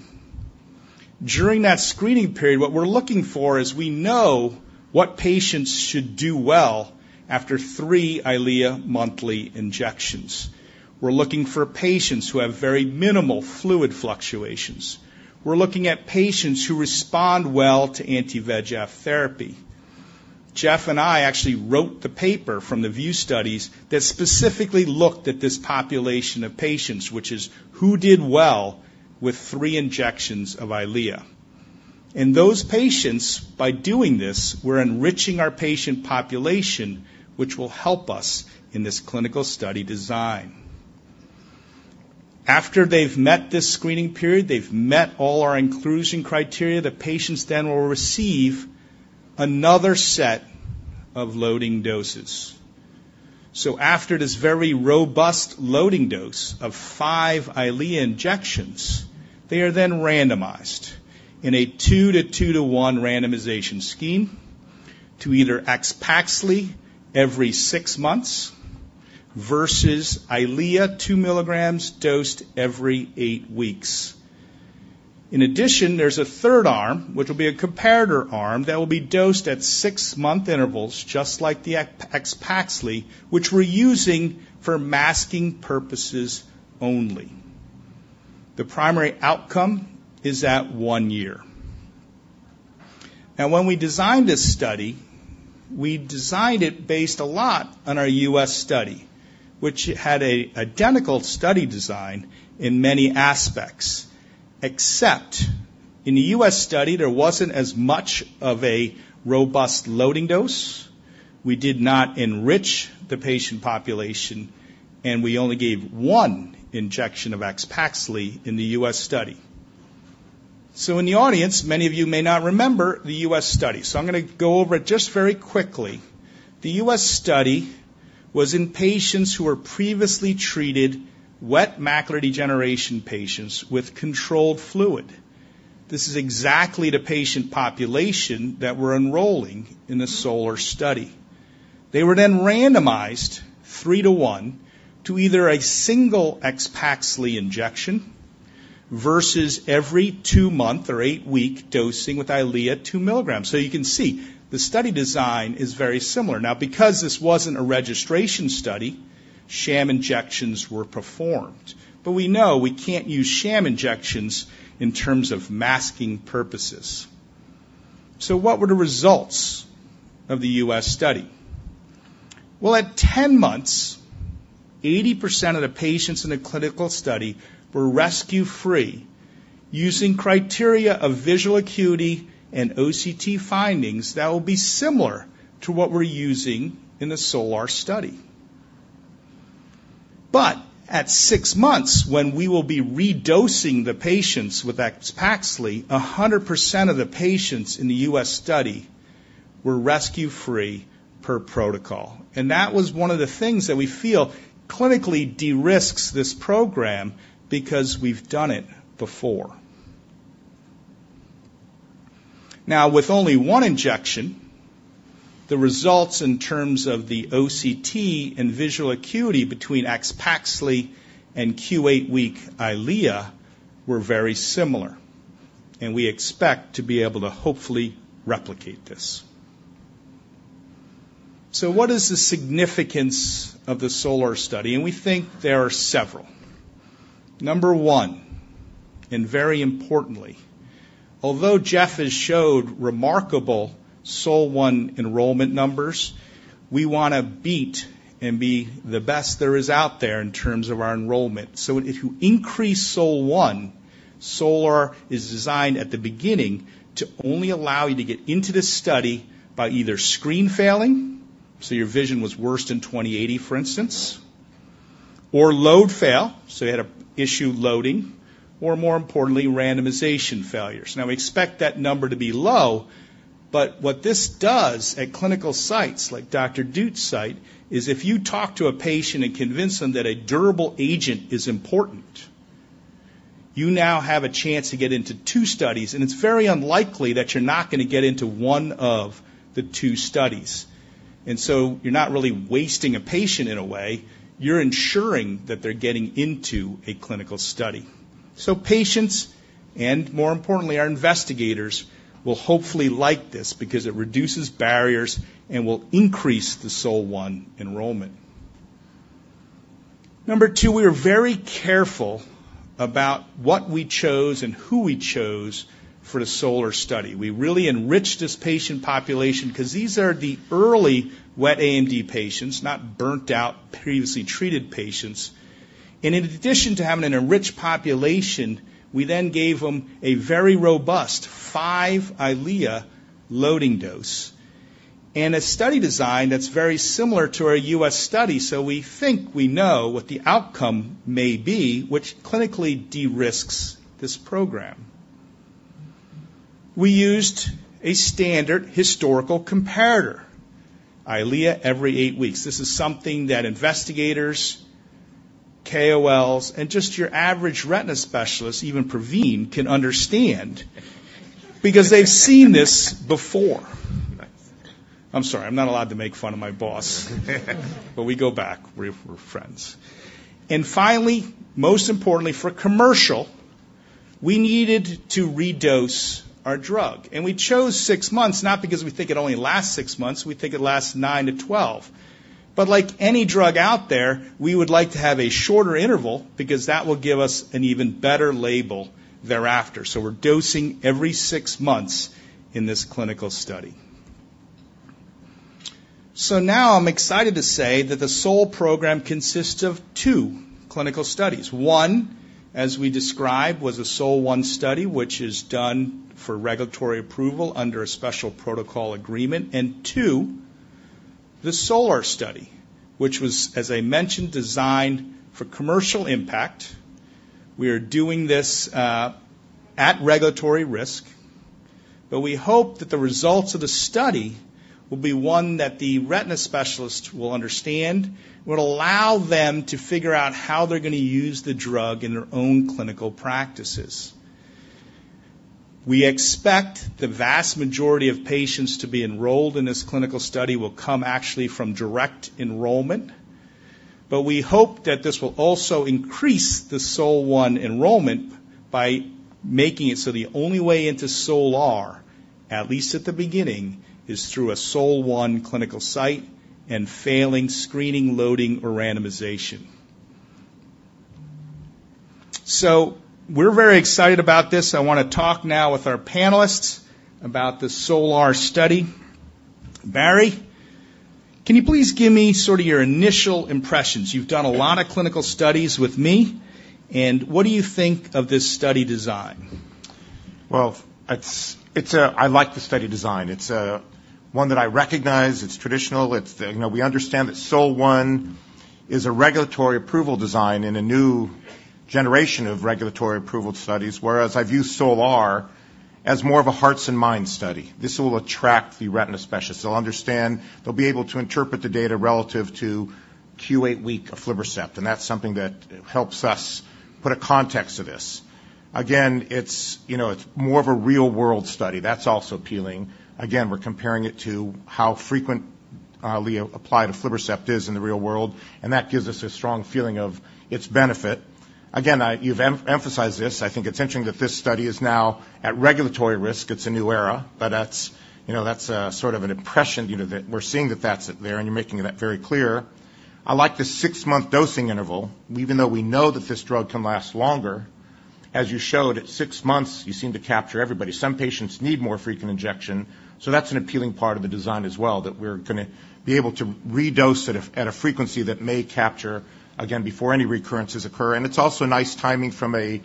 During that screening period, what we're looking for is we know what patients should do well after 3 EYLEA monthly injections. We're looking for patients who have very minimal fluid fluctuations. We're looking at patients who respond well to anti-VEGF therapy. Jeff and I actually wrote the paper from the VIEW studies that specifically looked at this population of patients, which is who did well with three injections of EYLEA. Those patients, by doing this, we're enriching our patient population, which will help us in this clinical study design. After they've met this screening period, they've met all our inclusion criteria, the patients then will receive another set of loading doses. After this very robust loading dose of 5 EYLEA injections, they are then randomized in a two to two to one randomization scheme to either AXPAXLI every six months versus EYLEA 2mg dosed every eight weeks. In addition, there's a third arm, which will be a comparator arm, that will be dosed at six-month intervals, just like the AXPAXLI, which we're using for masking purposes only. The primary outcome is at one year. Now, when we designed this study, we designed it based a lot on our US study, which had an identical study design in many aspects, except in the US study, there wasn't as much of a robust loading dose. We did not enrich the patient population, and we only gave one injection of AXPAXLI in the US study. So in the audience, many of you may not remember the US study, so I'm gonna go over it just very quickly. The US study was in patients who were previously treated wet macular degeneration patients with controlled fluid. This is exactly the patient population that we're enrolling in the SOL-R study. They were then randomized 3-to-1 to either a single AXPAXLI injection versus every two-month or eight-week dosing with EYLEA 2 milligrams. So you can see the study design is very similar. Now because this wasn't a registration study, sham injections were performed, but we know we can't use sham injections in terms of masking purposes. So what were the results of the US study? Well, at 10 months, 80% of the patients in the clinical study were rescue-free, using criteria of visual acuity and OCT findings that will be similar to what we're using in the SOL-R study. But at six months, when we will be redosing the patients with AXPAXLI, 100% of the patients in the US study were rescue-free per protocol. And that was one of the things that we feel clinically de-risks this program because we've done it before. Now, with only one injection, the results in terms of the OCT and visual acuity between AXPAXLI and Q8 week EYLEA were very similar, and we expect to be able to hopefully replicate this. So what is the significance of the SOL-R study? And we think there are several. Number one, and very importantly, although Jeff has showed remarkable SOL-1 enrollment numbers, we want to beat and be the best there is out there in terms of our enrollment. So if you increase SOL-1, SOL-R is designed at the beginning to only allow you to get into the study by either screen failing, so your vision was worse than 20/80, for instance, or load fail, so you had an issue loading, or more importantly, randomization failures. Now, we expect that number to be low, but what this does at clinical sites like Dr. Dhoot's site, is if you talk to a patient and convince them that a durable agent is important, you now have a chance to get into two studies, and it's very unlikely that you're not gonna get into one of the two studies. And so you're not really wasting a patient in a way, you're ensuring that they're getting into a clinical study. So patients, and more importantly, our investigators, will hopefully like this because it reduces barriers and will increase the SOL-1 enrollment. Number two, we are very careful about what we chose and who we chose for the SOL-R study. We really enriched this patient population because these are the early wet AMD patients, not burnt-out, previously treated patients. In addition to having an enriched population, we then gave them a very robust 5 EYLEA loading dose and a study design that's very similar to our US study. So we think we know what the outcome may be, which clinically de-risks this program. We used a standard historical comparator, EYLEA, every eight weeks. This is something that investigators, KOLs, and just your average retina specialist, even Pravin, can understand because they've seen this before. I'm sorry, I'm not allowed to make fun of my boss. But we go back. We're, we're friends. And finally, most importantly, for commercial, we needed to redose our drug, and we chose six months, not because we think it only lasts six months, we think it lasts nine to 12. But like any drug out there, we would like to have a shorter interval because that will give us an even better label thereafter. So we're dosing every six months in this clinical study. So now I'm excited to say that the SOL program consists of two clinical studies. One, as we described, was a SOL-1 study, which is done for regulatory approval under a special protocol agreement. And two, the SOL-R study, which was, as I mentioned, designed for commercial impact. We are doing this at regulatory risk, but we hope that the results of the study will be one that the retina specialists will understand, will allow them to figure out how they're going to use the drug in their own clinical practices.... We expect the vast majority of patients to be enrolled in this clinical study will come actually from direct enrollment. But we hope that this will also increase the SOL-1 enrollment by making it so the only way into SOL-R, at least at the beginning, is through a SOL-1 clinical site and failing screening, loading, or randomization. So we're very excited about this. I want to talk now with our panelists about the SOL-R study. Barry, can you please give me sort of your initial impressions? You've done a lot of clinical studies with me, and what do you think of this study design? Well, it's, I like the study design. It's one that I recognize. It's traditional. It's, you know, we understand that SOL-1 is a regulatory approval design in a new generation of regulatory approval studies, whereas I view SOL-R as more of a hearts and minds study. This will attract the retina specialists. They'll understand, they'll be able to interpret the data relative to Q8-week aflibercept, and that's something that helps us put a context to this. Again, it's, you know, it's more of a real-world study, that's also appealing. Again, we're comparing it to how frequently applied aflibercept is in the real world, and that gives us a strong feeling of its benefit. Again, you've emphasized this. I think it's interesting that this study is now at regulatory risk. It's a new era, but that's, you know, that's sort of an impression, you know, that we're seeing that that's there, and you're making that very clear. I like the six-month dosing interval, even though we know that this drug can last longer. As you showed, at six months, you seem to capture everybody. Some patients need more frequent injection, so that's an appealing part of the design as well, that we're going to be able to redose at a frequency that may capture, again, before any recurrences occur. And it's also nice timing from a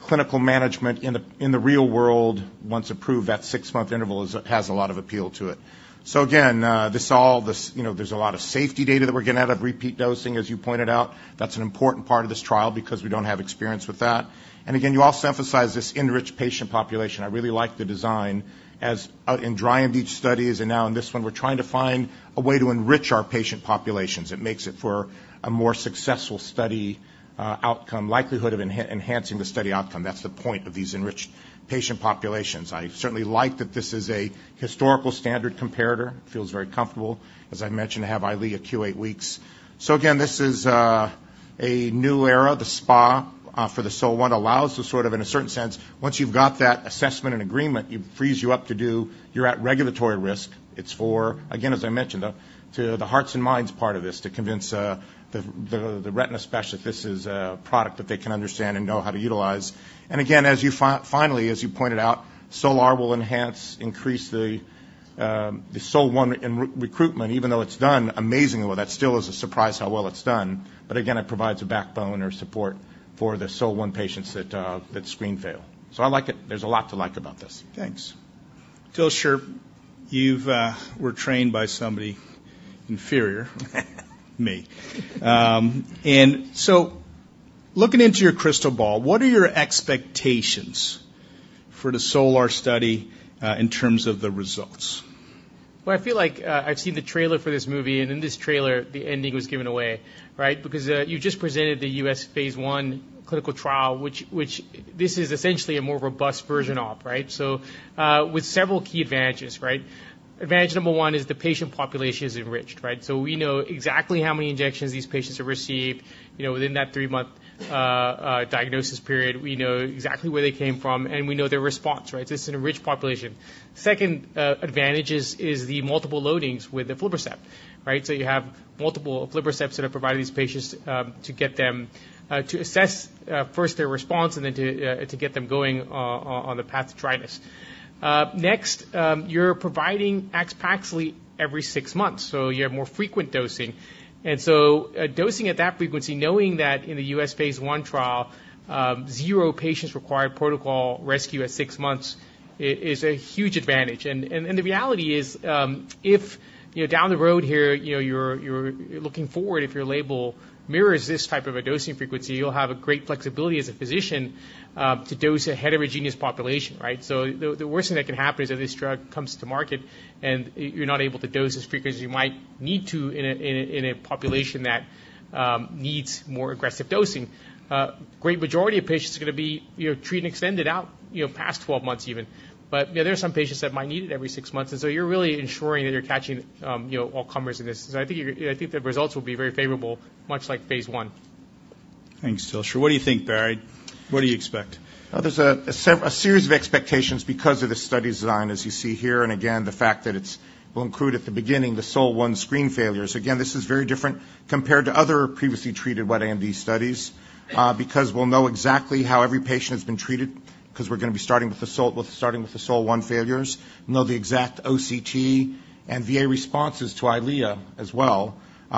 clinical management in the real world. Once approved, that six-month interval is has a lot of appeal to it. So again, you know, there's a lot of safety data that we're getting out of repeat dosing, as you pointed out. That's an important part of this trial because we don't have experience with that. Again, you also emphasized this enriched patient population. I really like the design. As in dry AMD studies and now in this one, we're trying to find a way to enrich our patient populations. It makes it for a more successful study outcome, likelihood of enhancing the study outcome. That's the point of these enriched patient populations. I certainly like that this is a historical standard comparator. Feels very comfortable. As I mentioned, I have EYLEA Q 8 weeks. So again, this is a new era. The SPA for the SOL-1 allows to sort of, in a certain sense, once you've got that assessment and agreement, it frees you up to do, you're at regulatory risk. It's for, again, as I mentioned, to the hearts and minds part of this, to convince the retina specialist this is a product that they can understand and know how to utilize. And again, as you finally, as you pointed out, SOL-R will enhance, increase the SOL-1 recruitment, even though it's done amazingly well. That still is a surprise how well it's done. But again, it provides a backbone or support for the SOL-1 patients that screen fail. So I like it. There's a lot to like about this. Thanks. Dilsher, you were trained by somebody inferior, me. And so looking into your crystal ball, what are your expectations for the SOL-R study in terms of the results? Well, I feel like, I've seen the trailer for this movie, and in this trailer, the ending was given away, right? Because, you just presented the U.S. phase I clinical trial, which this is essentially a more robust version of, right? So, with several key advantages, right? Advantage number one is the patient population is enriched, right? So we know exactly how many injections these patients have received, you know, within that three-month diagnosis period. We know exactly where they came from, and we know their response, right? This is an enriched population. Second, advantage is the multiple loadings with aflibercept, right? So you have multiple aflibercepts that are provided to these patients, to get them to assess first their response and then to get them going on the path to dryness. Next, you're providing approximately every six months, so you have more frequent dosing. And so dosing at that frequency, knowing that in the U.S. phase I trial, zero patients required protocol rescue at six months is a huge advantage. And the reality is, if you know, down the road here, you know, you're looking forward, if your label mirrors this type of a dosing frequency, you'll have great flexibility as a physician to dose a heterogeneous population, right? So the worst thing that can happen is if this drug comes to market and you're not able to dose as frequently you might need to in a population that needs more aggressive dosing. Great majority of patients are gonna be, you know, treated, extended out, you know, past 12 months even. But, yeah, there are some patients that might need it every six months, and so you're really ensuring that you're catching, you know, all comers in this. So I think the results will be very favorable, much like phase I. Thanks, Dilsher. What do you think, Barry? What do you expect? There's a series of expectations because of the study design, as you see here, and again, the fact that it will include at the beginning the SOL-1 screen failures. Again, this is very different compared to other previously treated wet AMD studies, because we'll know exactly how every patient has been treated, because we're going to be starting with the SOL-1, starting with the SOL-1 failures. We'll know the exact OCT and VA responses to EYLEA as well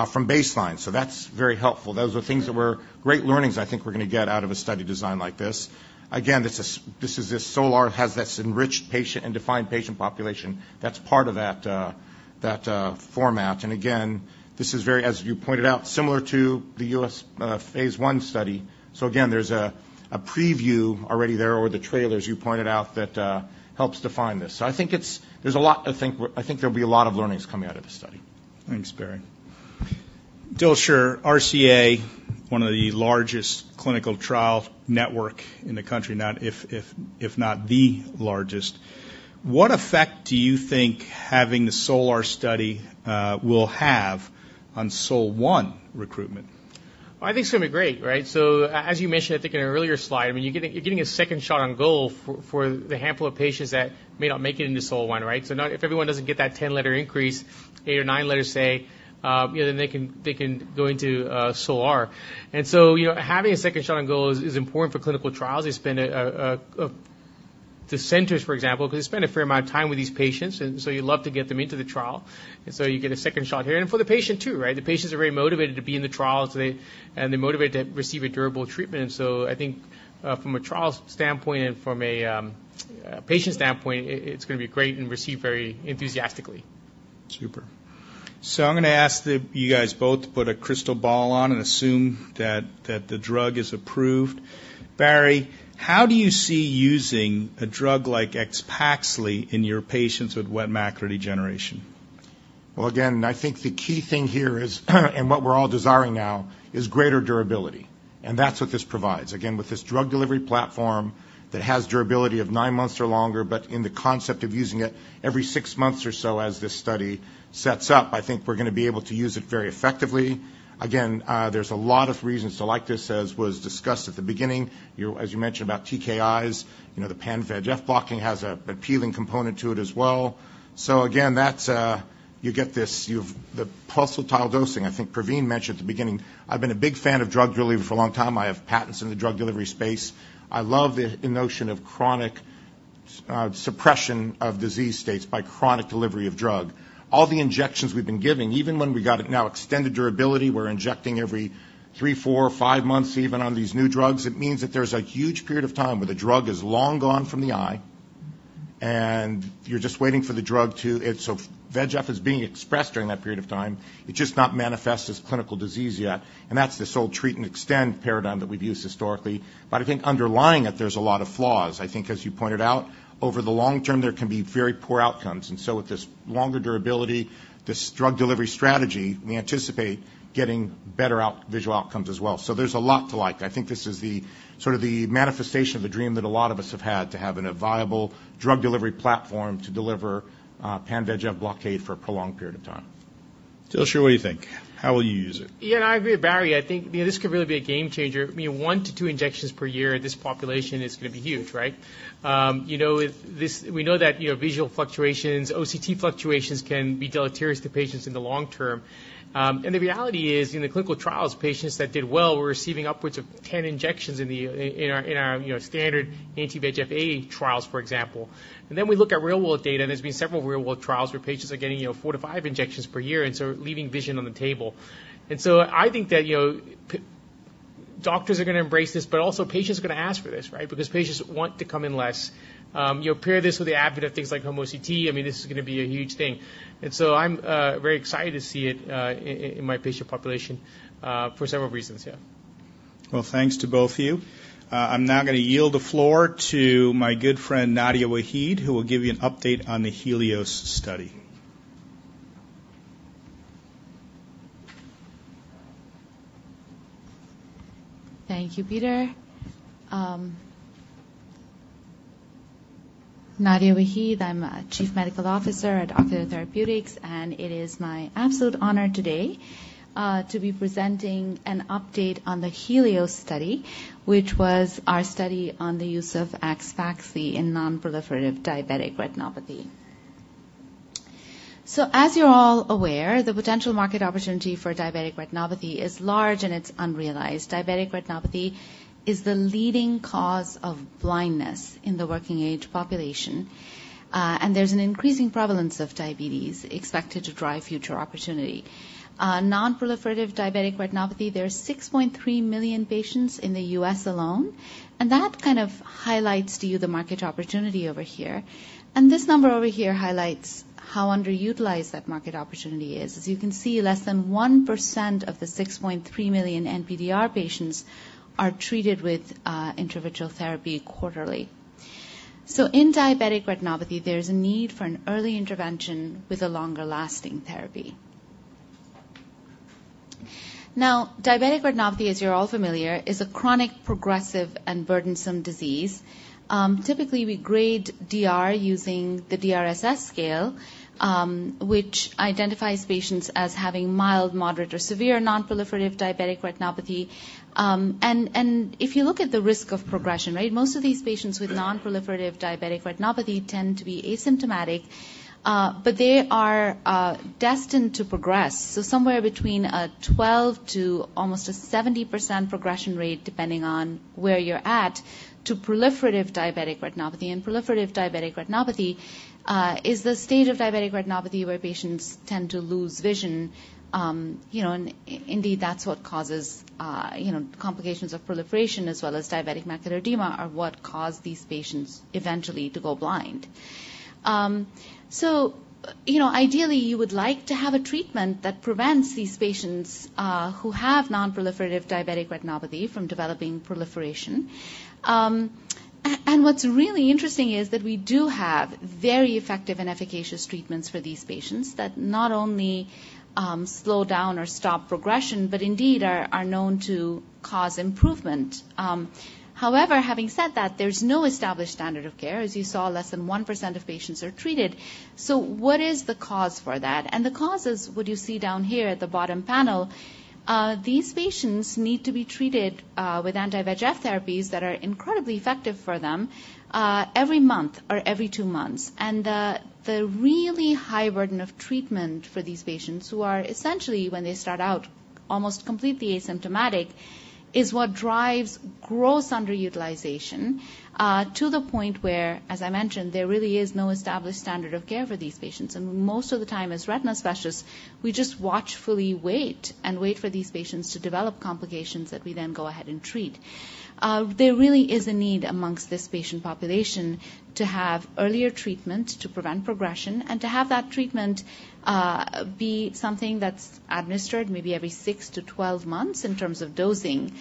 from baseline, so that's very helpful. Those are things that were great learnings I think we're going to get out of a study design like this. Again, this is the SOL-R has this enriched patient and defined patient population. That's part of that format. And again, this is very, as you pointed out, similar to the US phase 1 study. So again, there's a preview already there, or the trailer, as you pointed out, that helps define this. So I think it's. There's a lot to think. I think there'll be a lot of learnings coming out of this study. Thanks, Barry. Dilsher, RCA, one of the largest clinical trial network in the country, not, if not, the largest. What effect do you think having the SOL-R study will have on SOL-1 recruitment? I think it's going to be great, right? So as you mentioned, I think in an earlier slide, I mean, you're getting a second shot on goal for the handful of patients that may not make it into SOL-1, right? So if everyone doesn't get that 10-letter increase, eight or nine letters, say, you know, then they can go into SOL-R. And so, you know, having a second shot on goal is important for clinical trials. The centers, for example, because they spend a fair amount of time with these patients, and so you'd love to get them into the trial, and so you get a second shot here. And for the patient, too, right? The patients are very motivated to be in the trials. And they're motivated to receive a durable treatment. So I think, from a trial standpoint and from a patient standpoint, it's going to be great and received very enthusiastically. Super. So I'm going to ask you guys both to put a crystal ball on and assume that the drug is approved. Barry, how do you see using a drug like AXPAXLI in your patients with wet macular degeneration? Well, again, I think the key thing here is, and what we're all desiring now is greater durability, and that's what this provides. Again, with this drug delivery platform that has durability of nine months or longer, but in the concept of using it every six months or so as this study sets up, I think we're going to be able to use it very effectively. Again, there's a lot of reasons to like this, as was discussed at the beginning. You, as you mentioned about TKIs, you know, the pan VEGF blocking has an appealing component to it as well. So again, that's, you get this, you've the pulsatile dosing. I think Pravin mentioned at the beginning, I've been a big fan of drug delivery for a long time. I have patents in the drug delivery space. I love the notion of chronic suppression of disease states by chronic delivery of drug. All the injections we've been giving, even when we got it now extended durability, we're injecting every three, four, or five months, even on these new drugs. It means that there's a huge period of time where the drug is long gone from the eye, and you're just waiting for the drug to. It's so VEGF is being expressed during that period of time. It's just not manifest as clinical disease yet, and that's this whole treat and extend paradigm that we've used historically. But I think underlying it, there's a lot of flaws. I think, as you pointed out, over the long term, there can be very poor outcomes. And so with this longer durability, this drug delivery strategy, we anticipate getting better out, visual outcomes as well. There's a lot to like. I think this is the sort of the manifestation of a dream that a lot of us have had to have in a viable drug delivery platform to deliver, pan VEGF blockade for a prolonged period of time. Dilsher, what do you think? How will you use it? Yeah, and I agree with Barry. I think, you know, this could really be a game changer. I mean, 1-2 injections per year in this population is going to be huge, right? You know, with this, we know that, you know, visual fluctuations, OCT fluctuations can be deleterious to patients in the long term. And the reality is, in the clinical trials, patients that did well were receiving upwards of 10 injections in our standard anti-VEGF-A trials, for example. And then we look at real-world data, there's been several real-world trials where patients are getting, you know, four to five injections per year, and so leaving vision on the table. And so I think that, you know, doctors are going to embrace this, but also patients are going to ask for this, right? Because patients want to come in less. You pair this with the advent of things like home OCT, I mean, this is going to be a huge thing. And so I'm very excited to see it in my patient population for several reasons, yeah. Well, thanks to both of you. I'm now going to yield the floor to my good friend, Nadia Waheed, who will give you an update on the HELIOS study. Thank you, Peter. Nadia Waheed, I'm Chief Medical Officer at Ocular Therapeutix, and it is my absolute honor today to be presenting an update on the HELIOS study, which was our study on the use of AXPAXLI in non-proliferative diabetic retinopathy. As you're all aware, the potential market opportunity for diabetic retinopathy is large and it's unrealized. Diabetic retinopathy is the leading cause of blindness in the working-age population, and there's an increasing prevalence of diabetes expected to drive future opportunity. Non-proliferative diabetic retinopathy, there are 6.3 million patients in the US alone, and that kind of highlights to you the market opportunity over here. This number over here highlights how underutilized that market opportunity is. As you can see, less than 1% of the 6.3 million NPDR patients are treated with intravitreal therapy quarterly. So in diabetic retinopathy, there's a need for an early intervention with a longer-lasting therapy. Now, diabetic retinopathy, as you're all familiar, is a chronic, progressive, and burdensome disease. Typically, we grade DR using the DRSS scale, which identifies patients as having mild, moderate, or severe non-proliferative diabetic retinopathy. And if you look at the risk of progression, right, most of these patients with non-proliferative diabetic retinopathy tend to be asymptomatic, but they are destined to progress. So somewhere between 12%-70% progression rate, depending on where you're at, to proliferative diabetic retinopathy. And proliferative diabetic retinopathy is the stage of diabetic retinopathy where patients tend to lose vision. You know, and indeed, that's what causes, you know, complications of proliferation as well as diabetic macular edema, are what cause these patients eventually to go blind. You know, ideally, you would like to have a treatment that prevents these patients, who have non-proliferative diabetic retinopathy from developing proliferation. And what's really interesting is that we do have very effective and efficacious treatments for these patients that not only slow down or stop progression, but indeed are known to cause improvement. However, having said that, there's no established standard of care. As you saw, less than 1% of patients are treated. So what is the cause for that? And the cause is what you see down here at the bottom panel. These patients need to be treated with anti-VEGF therapies that are incredibly effective for them every month or every two months. The really high burden of treatment for these patients, who are essentially, when they start out, almost completely asymptomatic, is what drives gross underutilization to the point where, as I mentioned, there really is no established standard of care for these patients. Most of the time, as retina specialists, we just watchful wait and wait for these patients to develop complications that we then go ahead and treat. There really is a need amongst this patient population to have earlier treatment, to prevent progression and to have that treatment be something that's administered maybe every six to 12 months in terms of dosing.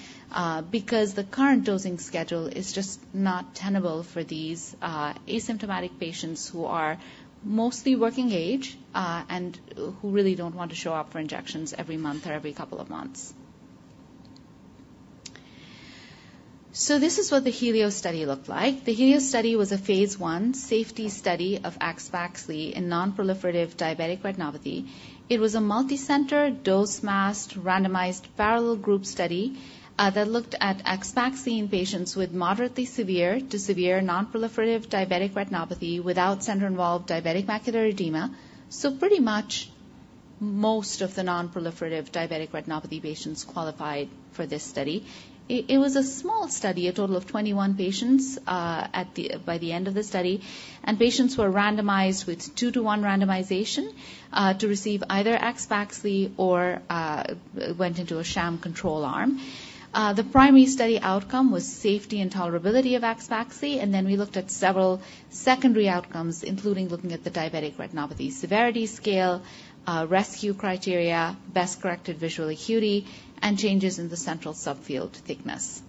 Because the current dosing schedule is just not tenable for these asymptomatic patients who are mostly working age and who really don't want to show up for injections every month or every couple of months. So this is what the HELIOS study looked like. The HELIOS study was a phase 1 safety study of AXPAXLI in non-proliferative diabetic retinopathy. It was a multicenter, dose-masked, randomized, parallel group study that looked at AXPAXLI in patients with moderately severe to severe non-proliferative diabetic retinopathy without center-involved diabetic macular edema. So pretty much most of the non-proliferative diabetic retinopathy patients qualified for this study. It was a small study, a total of 21 patients by the end of the study. And patients were randomized with 2-to-1 randomization to receive either AXPAXLI or went into a sham control arm. The primary study outcome was safety and tolerability of AXPAXLI, and then we looked at several secondary outcomes, including looking at the Diabetic Retinopathy Severity Scale, rescue criteria, best-corrected visual acuity, and changes in the central subfield thickness.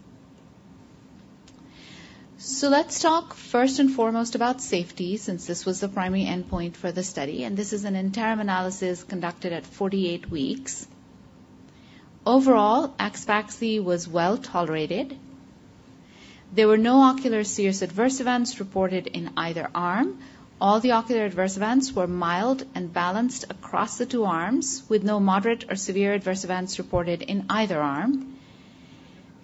Let's talk first and foremost about safety, since this was the primary endpoint for the study, and this is an interim analysis conducted at 48 weeks. Overall, AXPAXLI was well tolerated. There were no ocular serious adverse events reported in either arm. All the ocular adverse events were mild and balanced across the two arms, with no moderate or severe adverse events reported in either arm.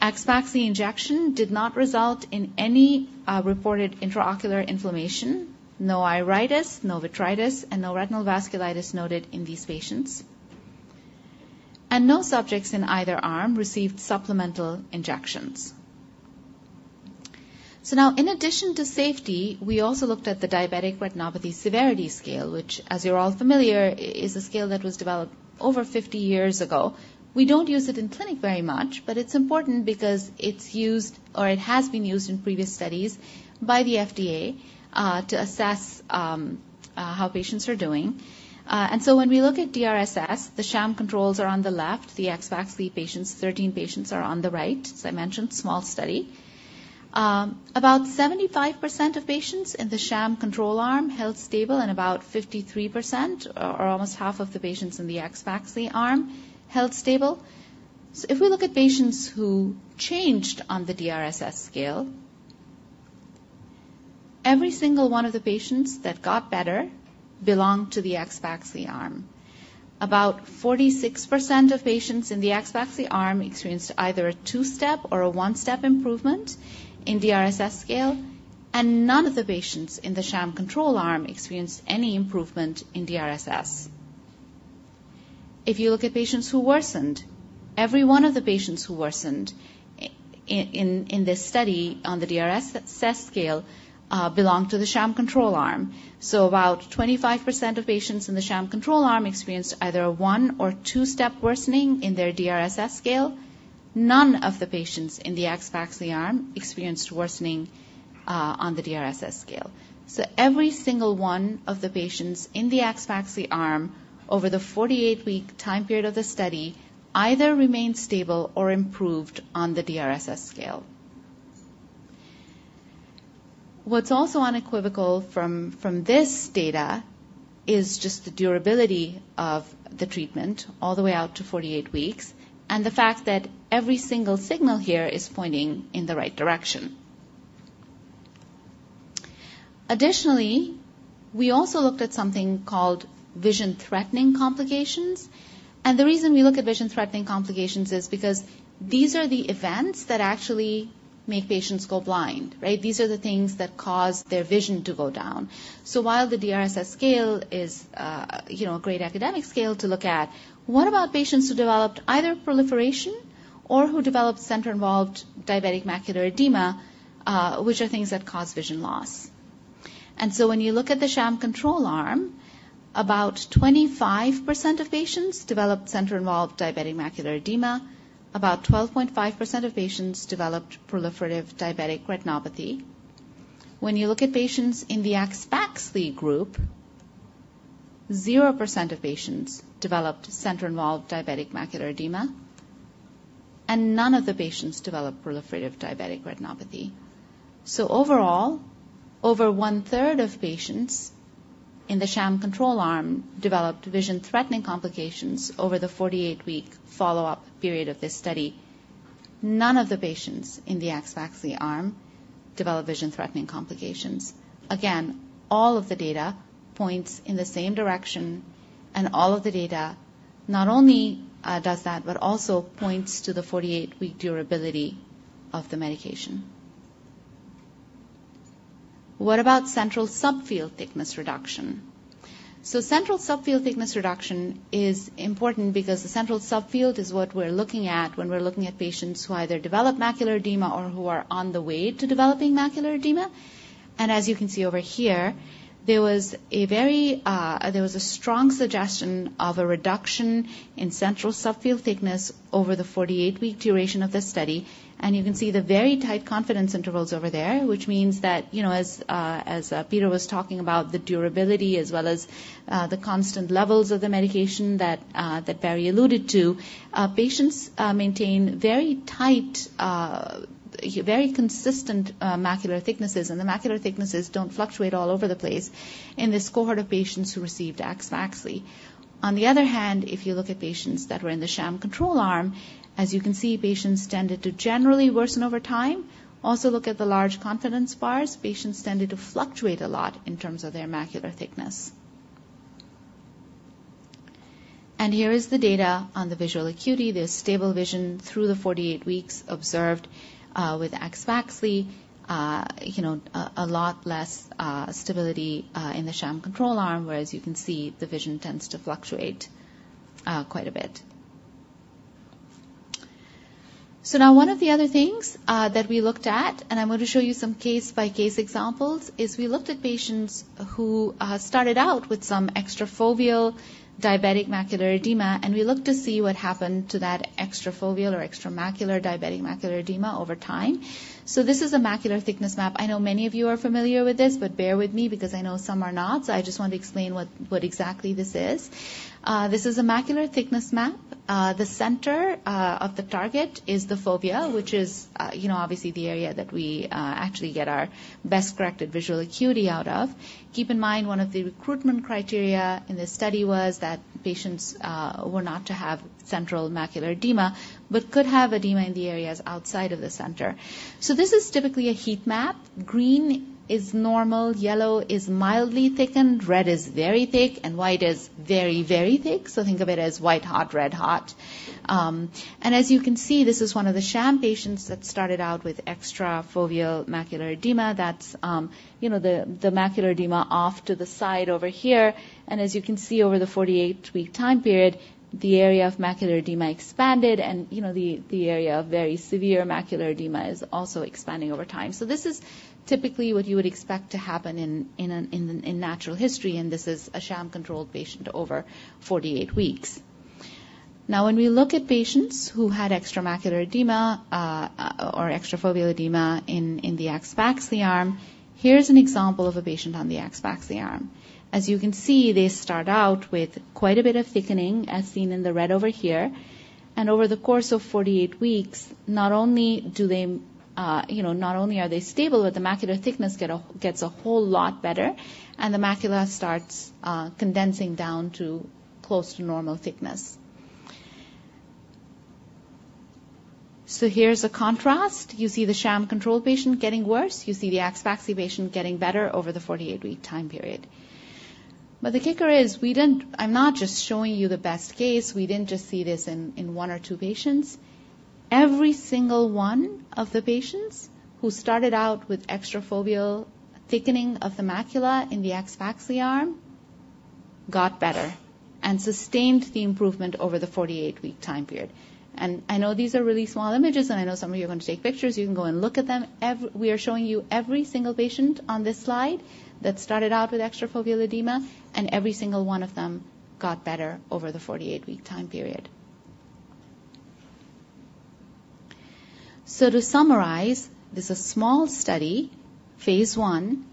AXPAXLI injection did not result in any reported intraocular inflammation, no iritis, no vitritis, and no retinal vasculitis noted in these patients. No subjects in either arm received supplemental injections. So now, in addition to safety, we also looked at the diabetic retinopathy severity scale, which, as you're all familiar, is a scale that was developed over 50 years ago. We don't use it in clinic very much, but it's important because it's used, or it has been used in previous studies by the FDA, to assess, how patients are doing. And so when we look at DRSS, the sham controls are on the left, the AXPAXLI patients, 13 patients, are on the right. As I mentioned, small study. About 75% of patients in the sham control arm held stable, and about 53% or almost half of the patients in the AXPAXLI arm held stable. So if we look at patients who changed on the DRSS scale, every single one of the patients that got better belonged to the AXPAXLI arm. About 46% of patients in the AXPAXLI arm experienced either a two-step or a one-step improvement in DRSS scale, and none of the patients in the sham control arm experienced any improvement in DRSS. If you look at patients who worsened, every one of the patients who worsened in this study on the DRSS scale belonged to the sham control arm. So about 25% of patients in the sham control arm experienced either a one or two-step worsening in their DRSS scale. None of the patients in the AXPAXLI arm experienced worsening on the DRSS scale. So every single one of the patients in the AXPAXLI arm over the 48-week time period of the study either remained stable or improved on the DRSS scale. What's also unequivocal from this data is just the durability of the treatment all the way out to 48 weeks, and the fact that every single signal here is pointing in the right direction. Additionally, we also looked at something called vision-threatening complications. And the reason we look at vision-threatening complications is because these are the events that actually make patients go blind, right? These are the things that cause their vision to go down. So while the DRSS scale is, you know, a great academic scale to look at, what about patients who developed either proliferation or who developed center-involved diabetic macular edema, which are things that cause vision loss? And so when you look at the sham control arm, about 25% of patients developed center-involved diabetic macular edema. About 12.5% of patients developed proliferative diabetic retinopathy. When you look at patients in the AXPAXLI group, 0% of patients developed center-involved diabetic macular edema, and none of the patients developed proliferative diabetic retinopathy. So overall, over one-third of patients in the sham control arm developed vision-threatening complications over the 48-week follow-up period of this study. None of the patients in the AXPAXLI arm developed vision-threatening complications. Again, all of the data points in the same direction, and all of the data not only does that, but also points to the 48-week durability of the medication. What about central subfield thickness reduction? So central subfield thickness reduction is important because the central subfield is what we're looking at when we're looking at patients who either develop macular edema or who are on the way to developing macular edema. As you can see over here, there was a very strong suggestion of a reduction in central subfield thickness over the 48-week duration of the study. You can see the very tight confidence intervals over there, which means that, you know, as, as Peter was talking about, the durability as well as, the constant levels of the medication that, that Barry alluded to. Patients maintain very tight, very consistent, macular thicknesses, and the macular thicknesses don't fluctuate all over the place in this cohort of patients who received AXPAXLI. On the other hand, if you look at patients that were in the sham control arm, as you can see, patients tended to generally worsen over time. Also, look at the large confidence bars. Patients tended to fluctuate a lot in terms of their macular thickness. Here is the data on the visual acuity. There's stable vision through the 48 weeks observed, with AXPAXLI. You know, a lot less stability in the sham control arm, whereas you can see, the vision tends to fluctuate quite a bit. So now, one of the other things that we looked at, and I'm going to show you some case-by-case examples, is we looked at patients who started out with some extrafoveal diabetic macular edema, and we looked to see what happened to that extrafoveal or extramacular diabetic macular edema over time. So this is a macular thickness map. I know many of you are familiar with this, but bear with me because I know some are not. So I just want to explain what exactly this is. This is a macular thickness map. The center of the target is the fovea, which is, you know, obviously the area that we actually get our best corrected visual acuity out of. Keep in mind, one of the recruitment criteria in this study was that patients were not to have central macular edema, but could have edema in the areas outside of the center. So this is typically a heat map. Green is normal, yellow is mildly thickened, red is very thick, and white is very, very thick. So think of it as white hot, red hot. And as you can see, this is one of the sham patients that started out with extrafoveal macular edema, that's, you know, the macular edema off to the side over here. As you can see, over the 48-week time period, the area of macular edema expanded, and, you know, the area of very severe macular edema is also expanding over time. This is typically what you would expect to happen in natural history, and this is a sham-controlled patient over 48 weeks. Now, when we look at patients who had extramacular edema or extrafoveal edema in the AXPAXLI arm, here's an example of a patient on the AXPAXLI arm. As you can see, they start out with quite a bit of thickening, as seen in the red over here. Over the course of 48 weeks, not only do they, you know, not only are they stable, but the macular thickness gets a whole lot better, and the macula starts condensing down to close to normal thickness. So here's a contrast. You see the sham control patient getting worse. You see the AXPAXLI patient getting better over the 48-week time period. But the kicker is we didn't... I'm not just showing you the best case. We didn't just see this in one or two patients. Every single one of the patients who started out with extrafoveal thickening of the macula in the AXPAXLI arm got better and sustained the improvement over the 48-week time period. And I know these are really small images, and I know some of you are going to take pictures. You can go and look at them. We are showing you every single patient on this slide that started out with extrafoveal edema, and every single one of them got better over the 48-week time period. So to summarize, this is a small study, phase 1.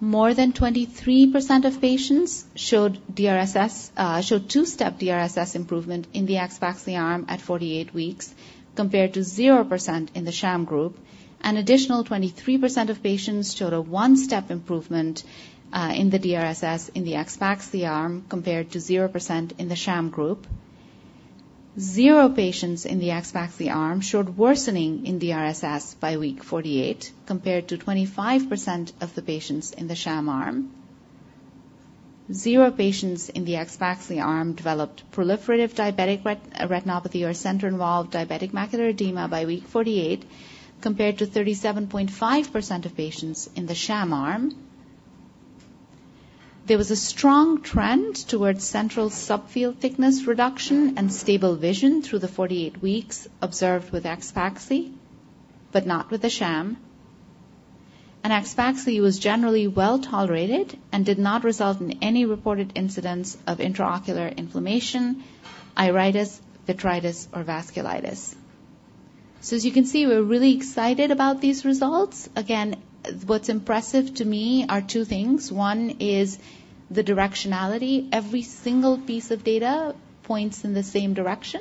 More than 23% of patients showed DRSS showed two-step DRSS improvement in the AXPAXLI arm at 48 weeks, compared to 0% in the sham group. An additional 23% of patients showed a one-step improvement in the DRSS in the AXPAXLI arm, compared to 0% in the sham group. Zero patients in the AXPAXLI arm showed worsening in DRSS by week 48, compared to 25% of the patients in the sham arm. Zero patients in the AXPAXLI arm developed proliferative diabetic retinopathy or center involved diabetic macular edema by week 48, compared to 37.5% of patients in the sham arm. There was a strong trend towards central subfield thickness reduction and stable vision through the 48 weeks observed with AXPAXLI, but not with the sham. AXPAXLI was generally well tolerated and did not result in any reported incidents of intraocular inflammation, iritis, vitritis, or vasculitis. So as you can see, we're really excited about these results. Again, what's impressive to me are two things. One is the directionality. Every single piece of data points in the same direction,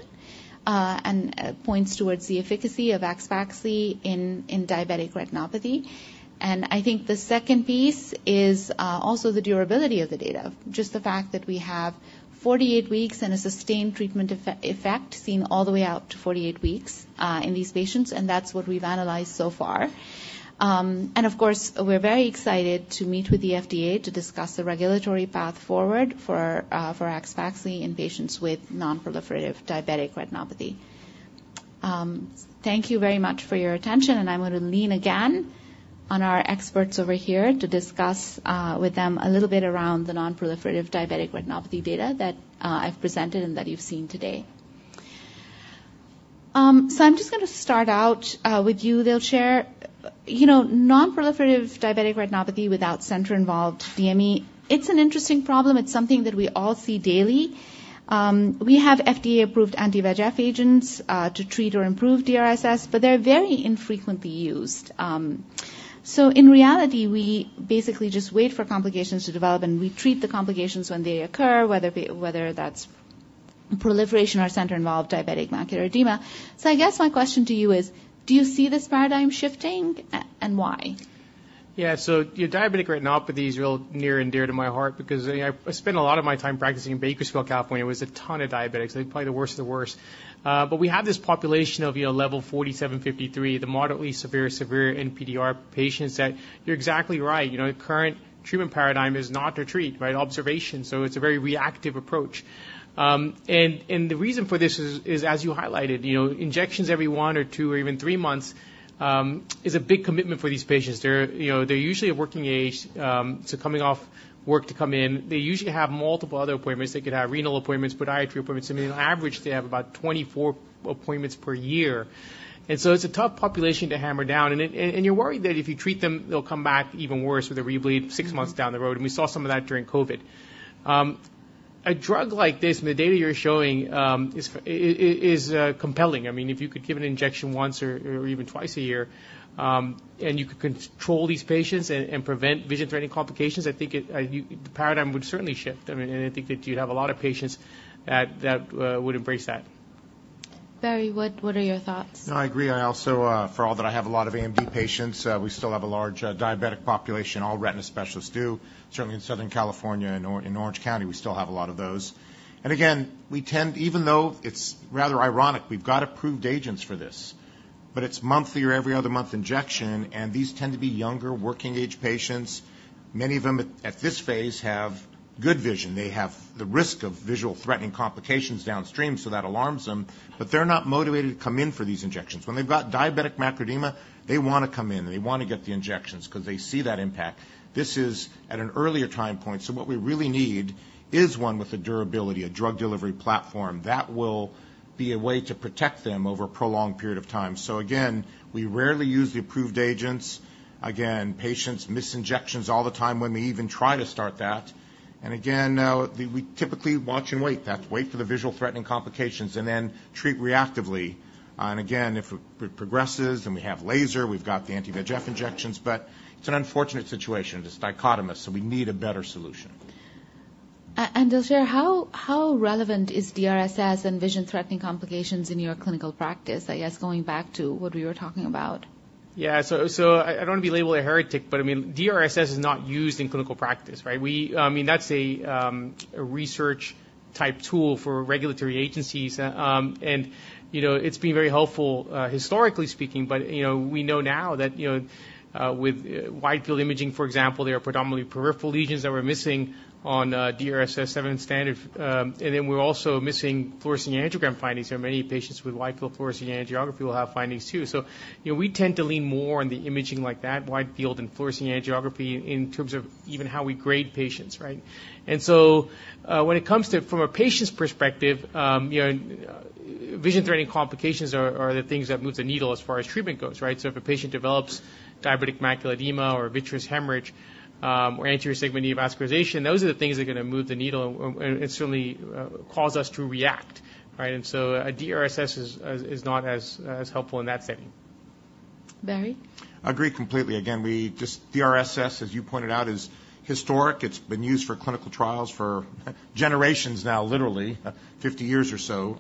and points towards the efficacy of AXPAXLI in diabetic retinopathy. And I think the second piece is also the durability of the data. Just the fact that we have 48 weeks and a sustained treatment effect seen all the way out to 48 weeks in these patients, and that's what we've analyzed so far. And of course, we're very excited to meet with the FDA to discuss the regulatory path forward for AXPAXLI in patients with non-proliferative diabetic retinopathy. Thank you very much for your attention, and I want to lean again on our experts over here to discuss with them a little bit around the non-proliferative diabetic retinopathy data that I've presented and that you've seen today. So I'm just going to start out with you, Dilsher. You know, non-proliferative diabetic retinopathy without center involved DME, it's an interesting problem. It's something that we all see daily. We have FDA-approved anti-VEGF agents to treat or improve DRSS, but they're very infrequently used. So in reality, we basically just wait for complications to develop, and we treat the complications when they occur, whether that's proliferative or center involved diabetic macular edema. So I guess my question to you is, do you see this paradigm shifting? And why? Yeah. So diabetic retinopathy is real near and dear to my heart because I spent a lot of my time practicing in Bakersfield, California, where there's a ton of diabetics, and probably the worst of the worst. But we have this population of, you know, level 47, 53, the moderately severe, severe NPDR patients that you're exactly right. You know, the current treatment paradigm is not to treat, by observation, so it's a very reactive approach. And the reason for this is, as you highlighted, you know, injections every one or two or even three months is a big commitment for these patients. They're, you know, they're usually of working age, so coming off work to come in. They usually have multiple other appointments. They could have renal appointments, podiatry appointments. I mean, on average, they have about 24 appointments per year. So it's a tough population to hammer down, and you're worried that if you treat them, they'll come back even worse with a rebleed six months down the road. We saw some of that during COVID. A drug like this, and the data you're showing, is compelling. I mean, if you could give an injection once or even twice a year, and you could control these patients and prevent vision-threatening complications, I think it, the paradigm would certainly shift. I mean, and I think that you'd have a lot of patients that would embrace that. Barry, what, what are your thoughts? No, I agree. I also, for all that, I have a lot of AMD patients, we still have a large, diabetic population. All retina specialists do. Certainly in Southern California, in Orange County, we still have a lot of those. And again, we tend, even though it's rather ironic, we've got approved agents for this, but it's monthly or every other month injection, and these tend to be younger, working-age patients. Many of them at this phase, have good vision. They have the risk of visual-threatening complications downstream, so that alarms them, but they're not motivated to come in for these injections. When they've got diabetic macular edema, they want to come in, and they want to get the injections because they see that impact. This is at an earlier time point. So what we really need is one with a durability, a drug delivery platform. That will be a way to protect them over a prolonged period of time. So again, we rarely use the approved agents. Again, patients miss injections all the time when we even try to start that. And again, we typically watch and wait. We have to wait for the visual-threatening complications and then treat reactively. And again, if it, it progresses, then we have laser, we've got the anti-VEGF injections, but it's an unfortunate situation. It is dichotomous, so we need a better solution. And Dilsher, how relevant is DRSS and vision-threatening complications in your clinical practice? I guess going back to what we were talking about. Yeah. So I don't want to be labeled a heretic, but I mean, DRSS is not used in clinical practice, right? We—I mean, that's a research type tool for regulatory agencies. And you know, it's been very helpful historically speaking, but you know, we know now that with wide-field imaging, for example, there are predominantly peripheral lesions that we're missing on DRSS seven standard. And then we're also missing fluorescein angiogram findings. There are many patients with wide-field fluorescein angiography will have findings, too. So you know, we tend to lean more on the imaging like that, wide-field and fluorescein angiography, in terms of even how we grade patients, right? And so, when it comes to, from a patient's perspective, you know, vision-threatening complications are the things that move the needle as far as treatment goes, right? So if a patient develops diabetic macular edema or vitreous hemorrhage, or anterior segment neovascularization, those are the things that are going to move the needle and certainly cause us to react, right? And so a DRSS is not as helpful in that setting. Barry? I agree completely. Again, we just... DRSS, as you pointed out, is historic. It's been used for clinical trials for generations now, literally 50 years or so.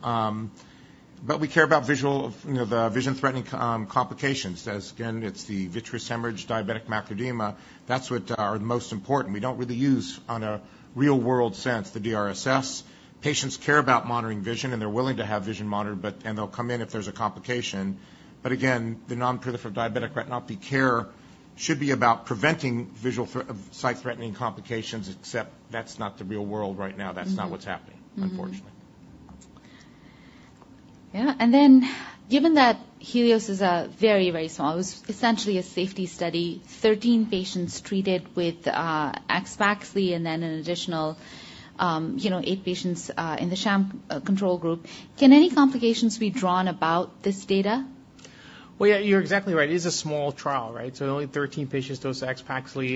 But we care about visual, you know, the vision-threatening complications. As again, it's the vitreous hemorrhage, diabetic macular edema. That's what are the most important. We don't really use on a real-world sense, the DRSS. Patients care about monitoring vision, and they'll come in if there's a complication. But again, the non-proliferative diabetic retinopathy care should be about preventing visual sight-threatening complications, except that's not the real world right now. That's not what's happening unfortunately. Yeah, and then, given that HELIOS is a very, very small, it's essentially a safety study, 13 patients treated with AXPAXLI and then an additional, you know, eight patients in the sham control group, can any complications be drawn about this data? Well, yeah, you're exactly right. It is a small trial, right? So only 13 patients dosed AXPAXLI.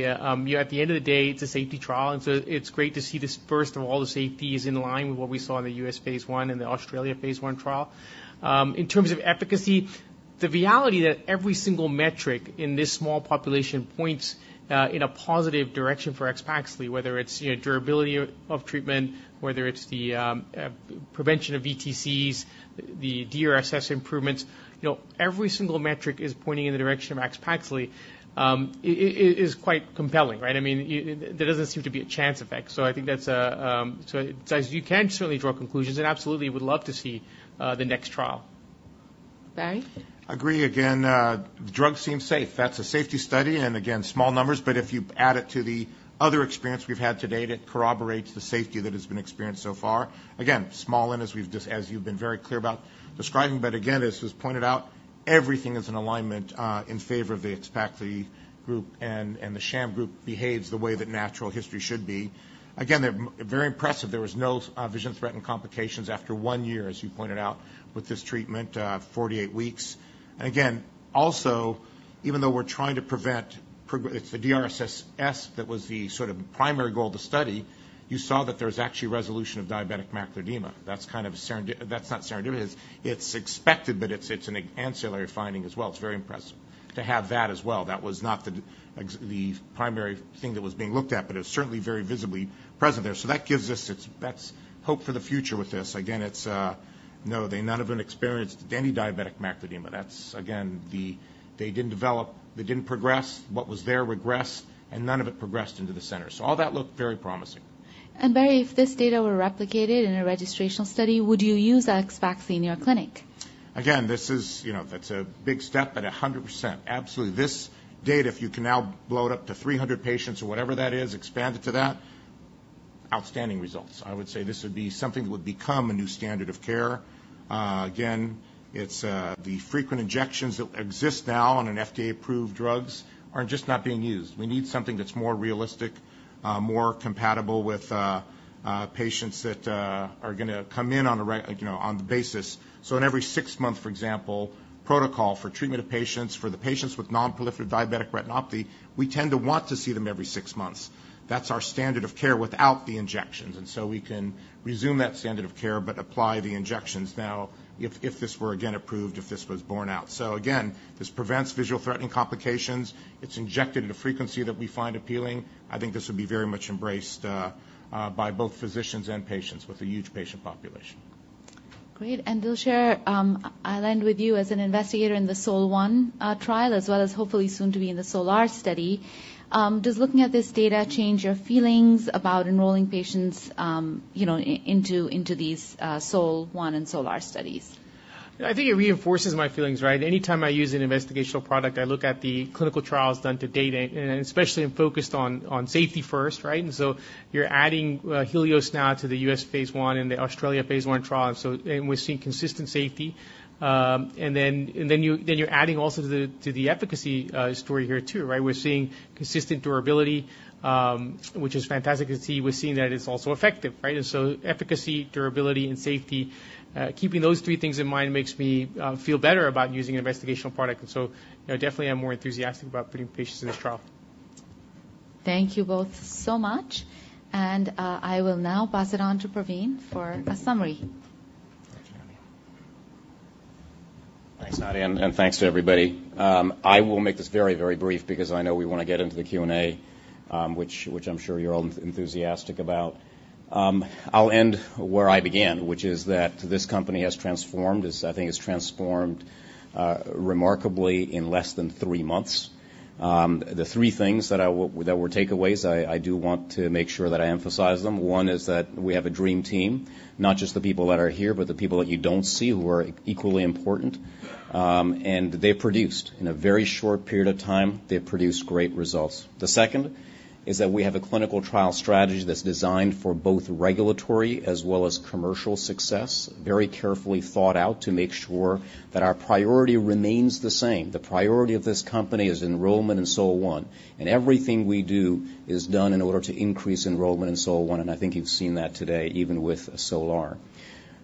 You know, at the end of the day, it's a safety trial, and so it's great to see this. First of all, the safety is in line with what we saw in the US phase I and the Australia phase I trial. In terms of efficacy, the reality that every single metric in this small population points in a positive direction for AXPAXLI, whether it's, you know, durability of treatment, whether it's the prevention of VTCs, the DRSS improvements. You know, every single metric is pointing in the direction of AXPAXLI is quite compelling, right? I mean, you-- there doesn't seem to be a chance effect. I think that's. So as you can certainly draw conclusions and absolutely would love to see the next trial. Barry? Agree again, the drug seems safe. That's a safety study, and again, small numbers, but if you add it to the other experience we've had to date, it corroborates the safety that has been experienced so far. Again, small, and as we've just, as you've been very clear about describing, but again, as was pointed out, everything is in alignment, in favor of the AXPAXLI group, and, and the sham group behaves the way that natural history should be. Again, they're very impressive. There was no vision-threatening complications after one year, as you pointed out, with this treatment, 48 weeks. Again, also, even though we're trying to prevent, it's the DRSS that was the sort of primary goal of the study. You saw that there was actually resolution of diabetic macular edema. That's kind of serendipitous. That's not serendipitous. It's expected, but it's an ancillary finding as well. It's very impressive to have that as well. That was not the primary thing that was being looked at, but it was certainly very visibly present there. So that gives us that's hope for the future with this. Again, it's no, they none have been experienced any diabetic macular edema. That's again, they didn't develop, they didn't progress. What was there regressed, and none of it progressed into the center. So all that looked very promising. Barry, if this data were replicated in a registrational study, would you use AXPAXLI in your clinic? Again, this is, you know, that's a big step, but 100%. Absolutely. This data, if you can now blow it up to 300 patients or whatever that is, expand it to that, outstanding results. I would say this would be something that would become a new standard of care. Again, it's the frequent injections that exist now on FDA-approved drugs are just not being used. We need something that's more realistic, more compatible with patients that are gonna come in on a, you know, on the basis. So in every six months, for example, protocol for treatment of patients, for the patients with non-proliferative diabetic retinopathy, we tend to want to see them every six months. That's our standard of care without the injections, and so we can resume that standard of care, but apply the injections now if this were again approved, if this was borne out. So again, this prevents visual-threatening complications. It's injected at a frequency that we find appealing. I think this would be very much embraced by both physicians and patients with a huge patient population. Great. And Dilsher, I'll end with you. As an investigator in the SOL-1, trial, as well as hopefully soon to be in the SOL-R study, does looking at this data change your feelings about enrolling patients, you know, into these SOL-1 and SOL-R studies? I think it reinforces my feelings, right? Anytime I use an investigational product, I look at the clinical trials done to date, and especially I'm focused on safety first, right? So you're adding HELIOS now to the U.S. phase I and the Australia phase I trial, and so we're seeing consistent safety. Then you're adding also to the efficacy story here, too, right? We're seeing consistent durability, which is fantastic to see. We're seeing that it's also effective, right? So efficacy, durability, and safety, keeping those three things in mind makes me feel better about using an investigational product. So, you know, definitely I'm more enthusiastic about putting patients in this trial. Thank you both so much, and I will now pass it on to Pravin for a summary. Thanks, Nadia, and thanks to everybody. I will make this very, very brief because I know we want to get into the Q&A, which I'm sure you're all enthusiastic about. I'll end where I began, which is that this company has transformed. This, I think, has transformed remarkably in less than three months. The three things that were takeaways, I do want to make sure that I emphasize them. One is that we have a dream team, not just the people that are here, but the people that you don't see who are equally important, and they produced. In a very short period of time, they produced great results. The second is that we have a clinical trial strategy that's designed for both regulatory as well as commercial success, very carefully thought out to make sure that our priority remains the same. The priority of this company is enrollment in SOL-1, and everything we do is done in order to increase enrollment in SOL-1, and I think you've seen that today, even with SOL-R.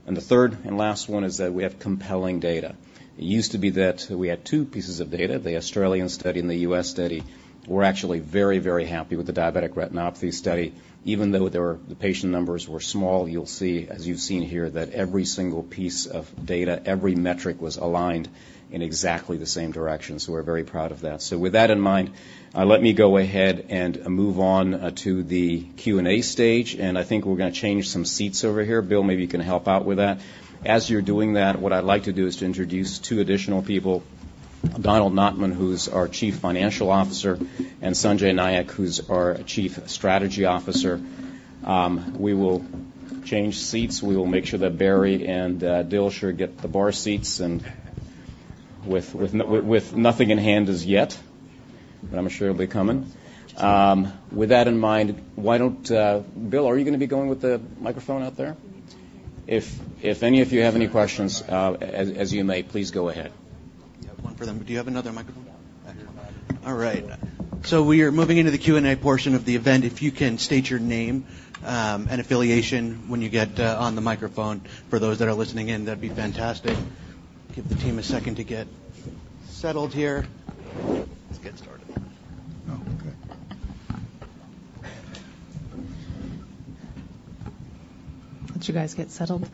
And the third and last one is that we have compelling data. It used to be that we had two pieces of data, the Australian study and the US study. We're actually very, very happy with the diabetic retinopathy study, even though there were... the patient numbers were small. You'll see, as you've seen here, that every single piece of data, every metric was aligned in exactly the same direction, so we're very proud of that. So with that in mind, let me go ahead and move on to the Q&A stage, and I think we're gonna change some seats over here. Bill, maybe you can help out with that. As you're doing that, what I'd like to do is to introduce two additional people, Donald Notman, who's our Chief Financial Officer, and Sanjay Nayak, who's our Chief Strategy Officer. We will change seats. We will make sure that Barry and Dilsher get the bar seats and with nothing in hand as yet, but I'm sure it'll be coming. With that in mind, why don't... Bill, are you gonna be going with the microphone out there? If any of you have any questions, as you may, please go ahead. Yeah, one for them. Do you have another microphone? All right. We are moving into the Q&A portion of the event. If you can state your name and affiliation when you get on the microphone for those that are listening in, that'd be fantastic. Give the team a second to get settled here. Let's get started. Let you guys get settled.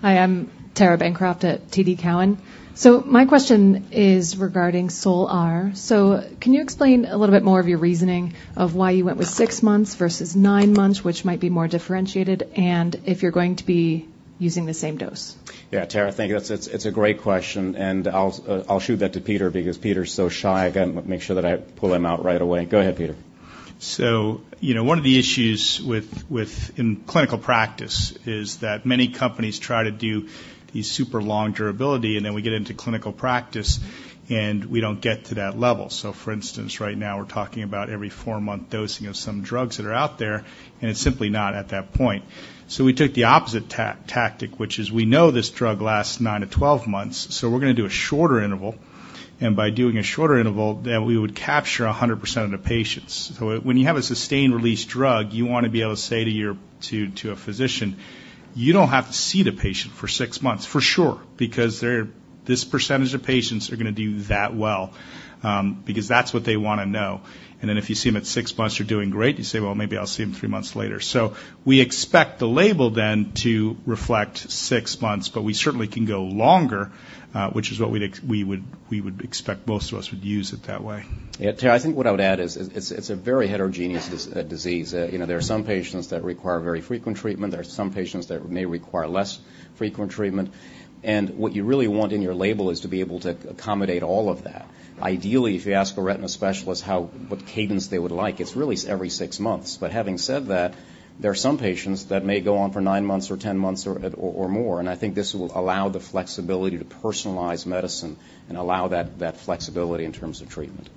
Hi, I'm Tara Bancroft at TD Cowen. So my question is regarding SOL-R. So can you explain a little bit more of your reasoning of why you went with six months versus nine months, which might be more differentiated, and if you're going to be using the same dose? Yeah, Tara, thank you. It's a great question, and I'll shoot that to Peter because Peter's so shy. Again, make sure that I pull him out right away. Go ahead, Peter. So, you know, one of the issues with in clinical practice is that many companies try to do these super long durability, and then we get into clinical practice, and we don't get to that level. So for instance, right now, we're talking about every four month dosing of some drugs that are out there, and it's simply not at that point. So we took the opposite tactic, which is we know this drug lasts nine to 12 months, so we're going to do a shorter interval, and by doing a shorter interval, then we would capture 100% of the patients. When you have a sustained-release drug, you want to be able to say to a physician, "You don't have to see the patient for six months, for sure, because they're this percentage of patients are going to do that well," because that's what they want to know. And then if you see them at six months, you're doing great, you say, "Well, maybe I'll see them three months later." We expect the label then to reflect six months, but we certainly can go longer, which is what we'd expect most of us would use it that way. Yeah, Tara, I think what I would add is, it's, it's a very heterogeneous disease. You know, there are some patients that require very frequent treatment. There are some patients that may require less frequent treatment. And what you really want in your label is to be able to accommodate all of that. Ideally, if you ask a retina specialist what cadence they would like, it's really every six months. But having said that, there are some patients that may go on for nine months or ten months or, or more, and I think this will allow the flexibility to personalize medicine and allow that, that flexibility in terms of treatment.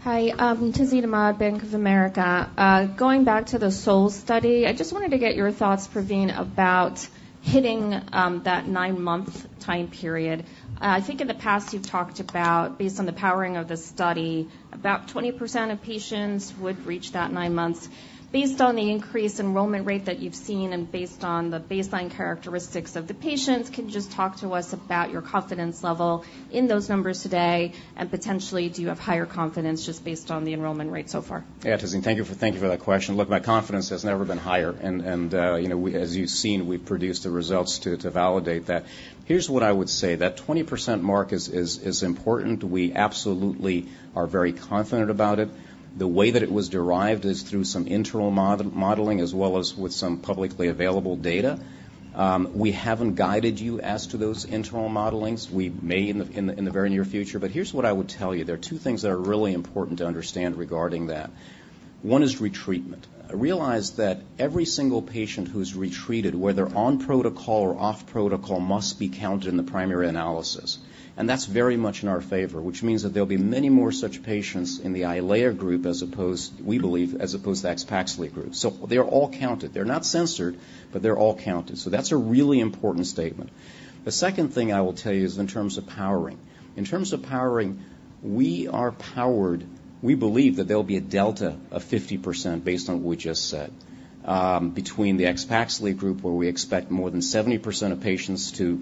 Hi, Tazeen Ahmad, Bank of America. Going back to the SOL study, I just wanted to get your thoughts, Pravin, about hitting that nine-month time period. I think in the past, you've talked about, based on the powering of the study, about 20% of patients would reach that nine months. Based on the increased enrollment rate that you've seen and based on the baseline characteristics of the patients, can you just talk to us about your confidence level in those numbers today, and potentially, do you have higher confidence just based on the enrollment rate so far? Yeah, Tazeen, thank you for that question. Look, my confidence has never been higher, and you know, as you've seen, we've produced the results to validate that. Here's what I would say, that 20% mark is important. We absolutely are very confident about it. The way that it was derived is through some internal modeling, as well as with some publicly available data. We haven't guided you as to those internal modelings. We may in the very near future, but here's what I would tell you: There are two things that are really important to understand regarding that. One is retreatment. Realize that every single patient who's retreated, whether on protocol or off protocol, must be counted in the primary analysis. That's very much in our favor, which means that there'll be many more such patients in the EYLEA group, as opposed, we believe, as opposed to the AXPAXLI group. So they're all counted. They're not censored, but they're all counted. So that's a really important statement. The second thing I will tell you is in terms of powering. In terms of powering, we are powered. We believe that there will be a delta of 50% based on what we just said, between the AXPAXLI group, where we expect more than 70% of patients to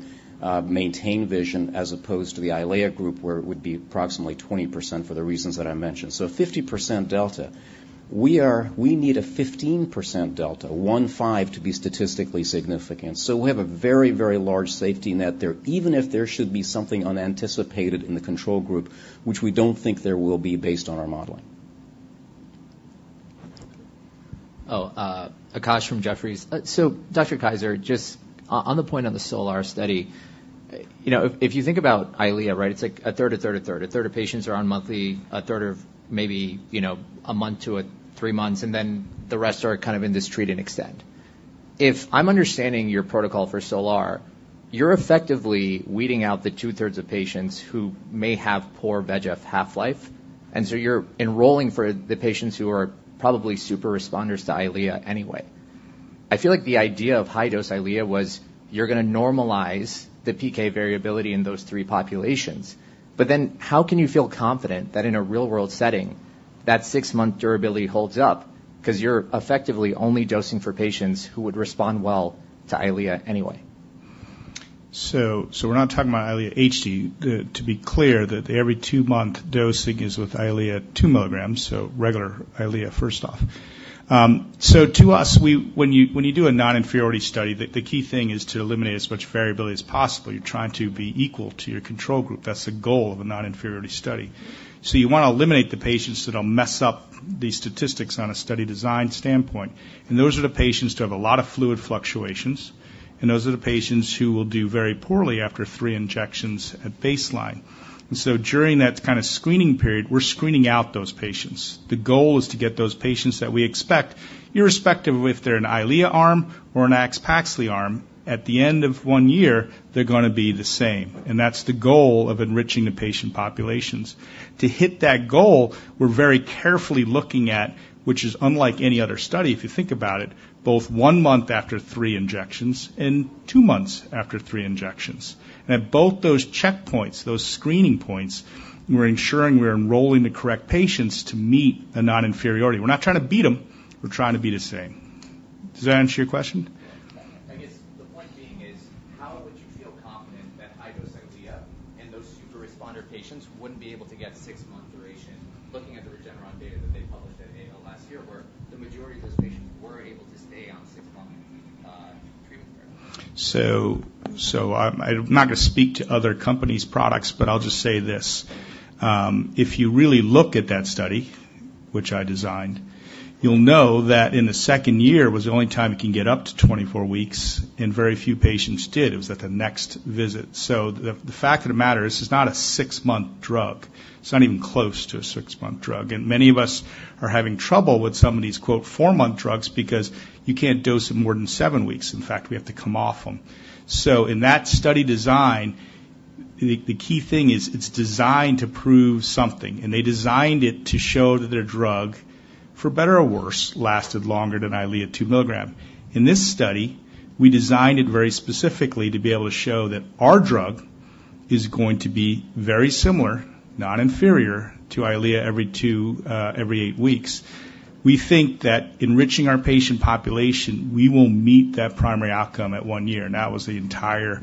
maintain vision, as opposed to the EYLEA group, where it would be approximately 20% for the reasons that I mentioned. So a 50% delta. We need a 15% delta, 15, to be statistically significant. We have a very, very large safety net there, even if there should be something unanticipated in the control group, which we don't think there will be based on our modeling. Akash from Jefferies. So Dr. Kaiser, just on the point on the SOL-R study, you know, if you think about EYLEA, right, it's like 1/3, 1/3, 1/3. A third of patients are on monthly, a third are maybe, you know, a month to three months, and then the rest are kind of in this treat and extend. If I'm understanding your protocol for SOL-R, you're effectively weeding out the 2/3 of patients who may have poor VEGF half-life, and so you're enrolling for the patients who are probably super responders to EYLEA anyway. I feel like the idea of high-dose EYLEA was you're going to normalize the PK variability in those three populations, but then how can you feel confident that in a real-world setting, that six-month durability holds up? Because you're effectively only dosing for patients who would respond well to EYLEA anyway. So, we're not talking about EYLEA HD. To be clear, that the every two-month dosing is with EYLEA 2mg so regular EYLEA, first off. So to us, when you do a non-inferiority study, the key thing is to eliminate as much variability as possible. You're trying to be equal to your control group. That's the goal of a non-inferiority study. So you want to eliminate the patients that'll mess up the statistics on a study design standpoint. And those are the patients who have a lot of fluid fluctuations, and those are the patients who will do very poorly after three injections at baseline. And so during that kind of screening period, we're screening out those patients. The goal is to get those patients that we expect, irrespective of if they're an EYLEA arm or an AXPAXLI arm, at the end of one year, they're going to be the same, and that's the goal of enriching the patient populations. To hit that goal, we're very carefully looking at, which is unlike any other study, if you think about it, both one month after three injections and two months after three injections. At both those checkpoints, those screening points, we're ensuring we're enrolling the correct patients to meet a non-inferiority. We're not trying to beat them; we're trying to be the same. Does that answer your question? And those super responder patients wouldn't be able to get six-month duration. Looking at the Regeneron data that they published at AAO last year, where the majority of those patients were able to stay on six-month treatment period. I'm not going to speak to other companies' products, but I'll just say this. If you really look at that study, which I designed, you'll know that in the second year was the only time you can get up to 24 weeks, and very few patients did. It was at the next visit. So the fact of the matter is, it's not a six-month drug. It's not even close to a six-month drug, and many of us are having trouble with some of these, quote, four-month drugs because you can't dose them more than seven weeks. In fact, we have to come off them. So in that study design, the key thing is it's designed to prove something, and they designed it to show that their drug, for better or worse, lasted longer than EYLEA 2mg. In this study, we designed it very specifically to be able to show that our drug is going to be very similar, not inferior, to EYLEA every two, every eight weeks. We think that enriching our patient population, we will meet that primary outcome at one year, and that was the entire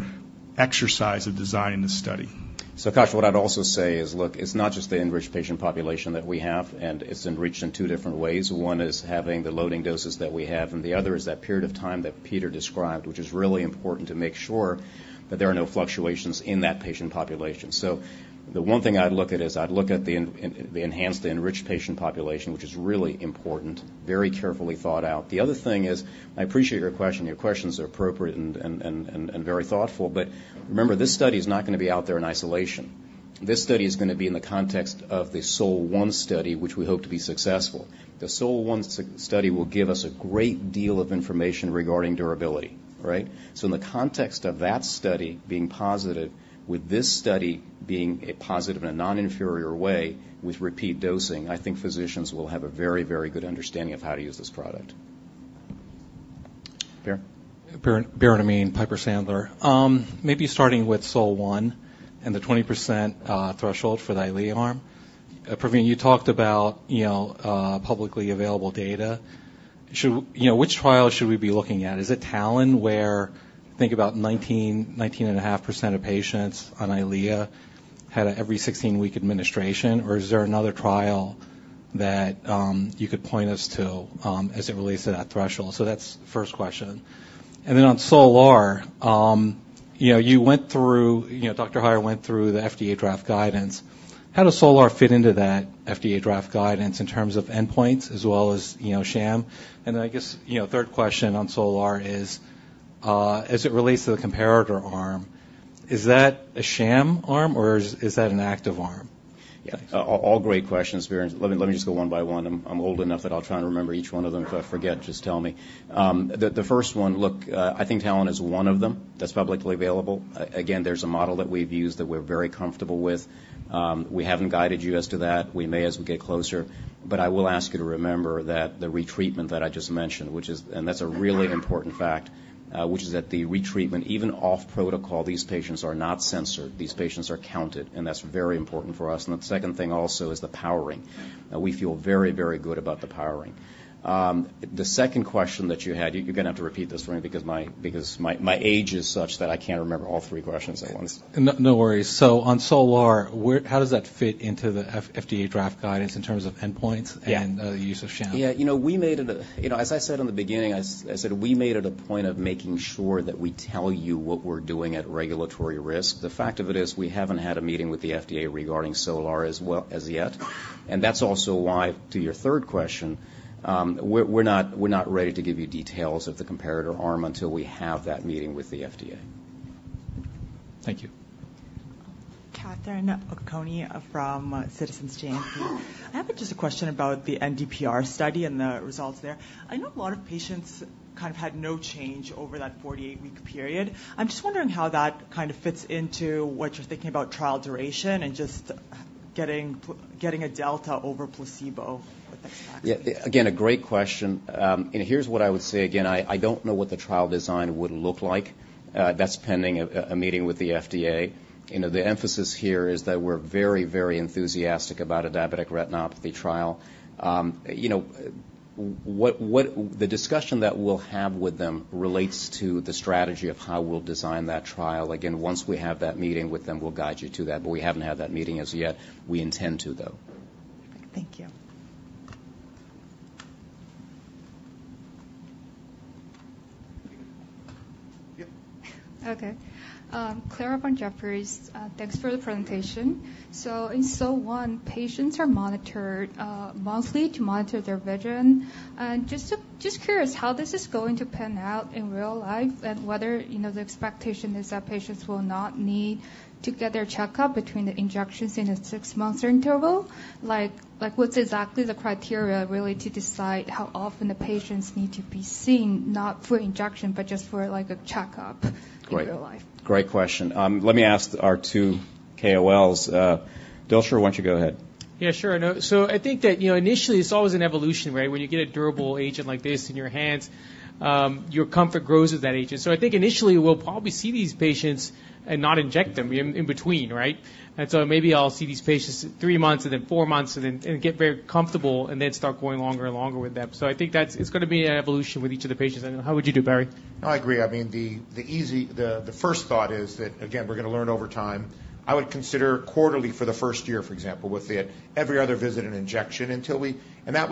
exercise of designing the study. So Kash, what I'd also say is, look, it's not just the enriched patient population that we have, and it's enriched in two different ways. One is having the loading doses that we have, and the other is that period of time that Peter described, which is really important to make sure that there are no fluctuations in that patient population. So the one thing I'd look at is the enriched patient population, which is really important, very carefully thought out. The other thing is, I appreciate your question. Your questions are appropriate and very thoughtful, but remember, this study is not going to be out there in isolation. This study is going to be in the context of the SOL-1 study, which we hope to be successful. The SOL-1 study will give us a great deal of information regarding durability, right? So in the context of that study being positive, with this study being a positive in a non-inferior way with repeat dosing, I think physicians will have a very, very good understanding of how to use this product. Barry? Biren Amin, Piper Sandler. Maybe starting with SOL-1 and the 20% threshold for the EYLEA arm. Pravin, you talked about, you know, publicly available data. Should we, you know, which trial should we be looking at? Is it TALON, where I think about 19, 19.5% of patients on EYLEA had an every 16-week administration, or is there another trial that you could point us to as it relates to that threshold? So that's the first question. And then on SOL-R, you know, you went through, you know, Dr. Heier went through the FDA draft guidance. How does SOL-R fit into that FDA draft guidance in terms of endpoints as well as, you know, sham? And then I guess, you know, third question on SOL-R is, as it relates to the comparator arm, is that a sham arm, or is that an active arm? Yeah. All great questions, Barry. Let me just go one by one. I'm old enough that I'll try and remember each one of them. If I forget, just tell me. The first one, look, I think TALON is one of them that's publicly available. Again, there's a model that we've used that we're very comfortable with. We haven't guided you as to that. We may as we get closer, but I will ask you to remember that the retreatment that I just mentioned, which is and that's a really important fact, which is that the retreatment, even off protocol, these patients are not censored. These patients are counted, and that's very important for us. And the second thing also is the powering. Now, we feel very, very good about the powering. The second question that you had, you're going to have to repeat this for me because my age is such that I can't remember all three questions at once. No, no worries. So on SOL-R, where, how does that fit into the FDA draft guidance in terms of endpoints and, the use of sham? Yeah, you know, as I said in the beginning, I said we made it a point of making sure that we tell you what we're doing at regulatory risk. The fact of it is, we haven't had a meeting with the FDA regarding SOL-R as well as yet, and that's also why, to your third question, we're not ready to give you details of the comparator arm until we have that meeting with the FDA. Thank you. Catherine Okoukoni from Citizens JMP. I have just a question about the NPDR study and the results there. I know a lot of patients kind of had no change over that 48-week period. I'm just wondering how that kind of fits into what you're thinking about trial duration and just getting a delta over placebo with the trial. Yeah, again, a great question. And here's what I would say again, I don't know what the trial design would look like. That's pending a meeting with the FDA. You know, the emphasis here is that we're very, very enthusiastic about a diabetic retinopathy trial. You know, the discussion that we'll have with them relates to the strategy of how we'll design that trial. Again, once we have that meeting with them, we'll guide you to that, but we haven't had that meeting as yet. We intend to, though. Thank you. Yep. Okay. Clara from Jefferies. Thanks for the presentation. So in SOL-1, patients are monitored monthly to monitor their vision. And just curious how this is going to pan out in real life and whether, you know, the expectation is that patients will not need to get their checkup between the injections in a six-month interval. Like, what's exactly the criteria really to decide how often the patients need to be seen, not for injection, but just for, like, a checkup in real life? Great question. Let me ask our two KOLs. Dilsher, why don't you go ahead? Yeah, sure. No, so I think that, you know, initially, it's always an evolution, right? When you get a durable agent like this in your hands, your comfort grows with that agent. So I think initially we'll probably see these patients and not inject them in between, right? And so maybe I'll see these patients in three months, and then four months, and then get very comfortable, and then start going longer and longer with them. So I think that's. It's gonna be an evolution with each of the patients. And how would you do, Barry? I agree. I mean, the easy first thought is that, again, we're gonna learn over time. I would consider quarterly for the first year, for example, with every other visit an injection, until we and that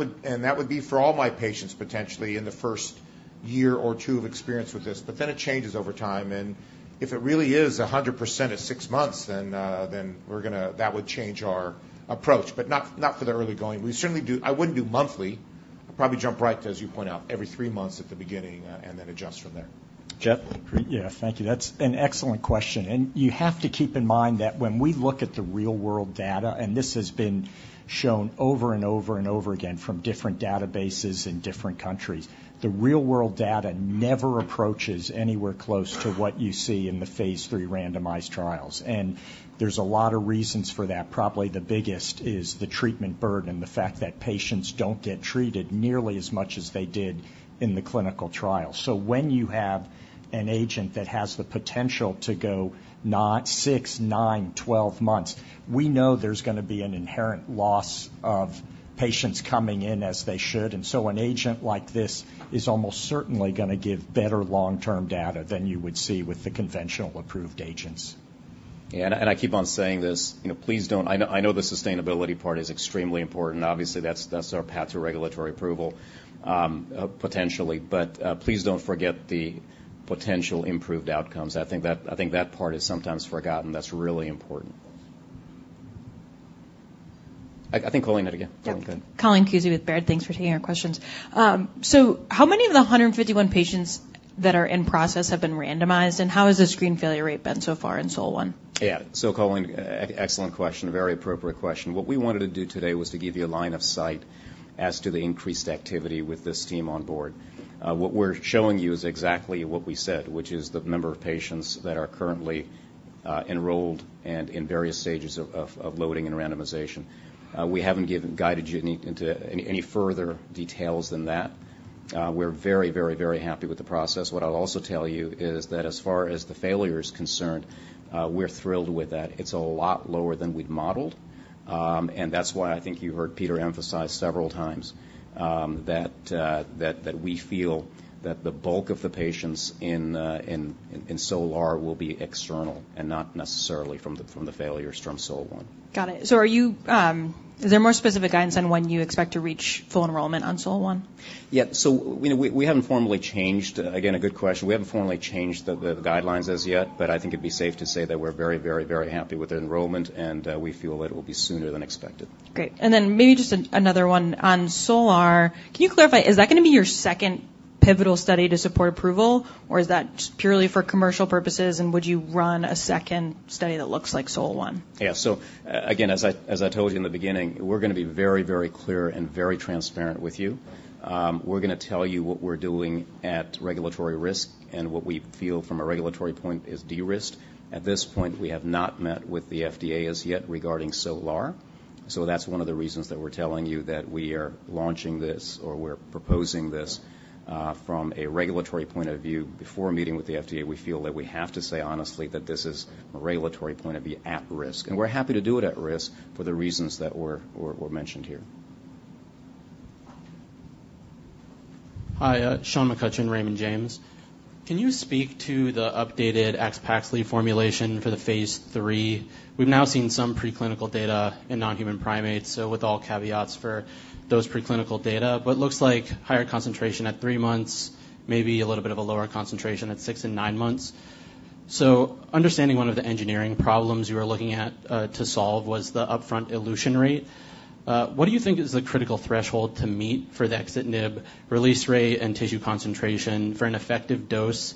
would be for all my patients, potentially, in the first year or two of experience with this. But then it changes over time, and if it really is 100% at six months, then then we're gonna that would change our approach, but not for the early going. We certainly do. I wouldn't do monthly. I'd probably jump right to, as you point out, every three months at the beginning, and then adjust from there. Jeff? Yeah, thank you. That's an excellent question, and you have to keep in mind that when we look at the real-world data, and this has been shown over and over and over again from different databases in different countries, the real-world data never approaches anywhere close to what you see in the phase III randomized trials. There's a lot of reasons for that. Probably the biggest is the treatment burden, the fact that patients don't get treated nearly as much as they did in the clinical trial. When you have an agent that has the potential to go not 6, 9, 12 months, we know there's gonna be an inherent loss of patients coming in as they should. An agent like this is almost certainly gonna give better long-term data than you would see with the conventional approved agents. Yeah, and I keep on saying this, you know, please don't... I know, I know the sustainability part is extremely important. Obviously, that's our path to regulatory approval, potentially. But, please don't forget the potential improved outcomes. I think that part is sometimes forgotten. That's really important. I think Colleen had again. Oh, go ahead. Yep. Colleen Kusy with Baird. Thanks for taking our questions. So how many of the 151 patients that are in process have been randomized, and how has the screen failure rate been so far in SOL-1? Yeah. So, Colleen, excellent question. A very appropriate question. What we wanted to do today was to give you a line of sight as to the increased activity with this team on board. What we're showing you is exactly what we said, which is the number of patients that are currently enrolled and in various stages of loading and randomization. We haven't guided you into any further details than that. We're very, very, very happy with the process. What I'll also tell you is that as far as the failure is concerned, we're thrilled with that. It's a lot lower than we'd modeled, and that's why I think you heard Peter emphasize several times that we feel that the bulk of the patients in SOL-R will be external and not necessarily from the failures from SOL-1. Got it. So are you... Is there more specific guidance on when you expect to reach full enrollment on SOL-1? Yeah. So we haven't formally changed, again, a good question. We haven't formally changed the guidelines as yet, but I think it'd be safe to say that we're very, very, very happy with the enrollment, and we feel that it will be sooner than expected. Great. Maybe just another one on SOL-R. Can you clarify, is that gonna be your second pivotal study to support approval, or is that just purely for commercial purposes, and would you run a second study that looks like SOL-1? Yeah. So again, as I told you in the beginning, we're gonna be very, very clear and very transparent with you. We're gonna tell you what we're doing at regulatory risk and what we feel from a regulatory point is de-risked. At this point, we have not met with the FDA as yet regarding SOLR, so that's one of the reasons that we're telling you that we are launching this, or we're proposing this, from a regulatory point of view. Before meeting with the FDA, we feel that we have to say honestly that this is, from a regulatory point of view, at risk, and we're happy to do it at risk for the reasons that were mentioned here. Hi, Sean McCutcheon, Raymond James. Can you speak to the updated AXPAXLI formulation for the phase 3? We've now seen some preclinical data in non-human primates, so with all caveats for those preclinical data, but it looks like higher concentration at three months, maybe a little bit of a lower concentration at six and nine months. So understanding one of the engineering problems you are looking at to solve was the upfront elution rate. What do you think is the critical threshold to meet for the axitinib release rate and tissue concentration for an effective dose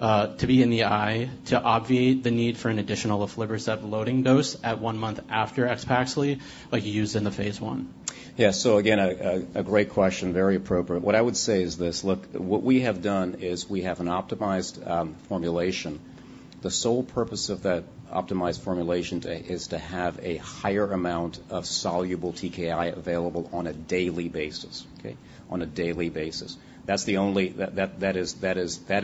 to be in the eye, to obviate the need for an additional aflibercept loading dose at 1 month after AXPAXLI, like you used in the phase 1? Yeah. So again, a great question, very appropriate. What I would say is this: Look, what we have done is we have an optimized formulation. The sole purpose of that optimized formulation is to have a higher amount of soluble TKI available on a daily basis, okay? On a daily basis. That's the only... That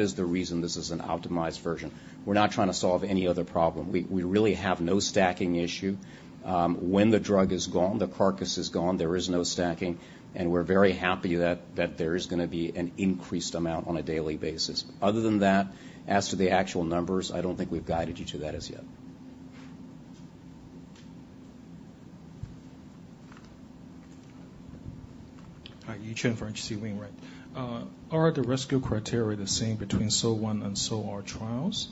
is the reason this is an optimized version. We're not trying to solve any other problem. We really have no stacking issue. When the drug is gone, the carcass is gone, there is no stacking, and we're very happy that there is gonna be an increased amount on a daily basis. Other than that, as to the actual numbers, I don't think we've guided you to that as yet. Hi, Yi Chen from H.C. Wainwright. Are the rescue criteria the same between SOL-1 and SOL-R trials?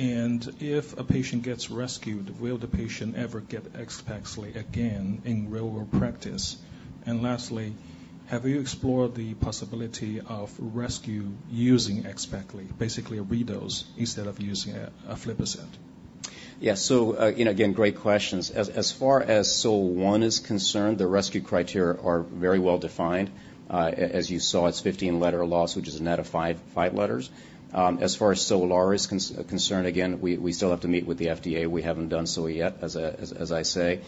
And if a patient gets rescued, will the patient ever get AXPAXLI again in real-world practice? And lastly, have you explored the possibility of rescue using AXPAXLI, basically a redose, instead of using aflibercept? Yeah. So, you know, again, great questions. As far as SOL-1 is concerned, the rescue criteria are very well defined. As you saw, it's 15 letter loss, which is a net of five letters. As far as SOL-R is concerned, again, we still have to meet with the FDA. We haven't done so yet, as I say.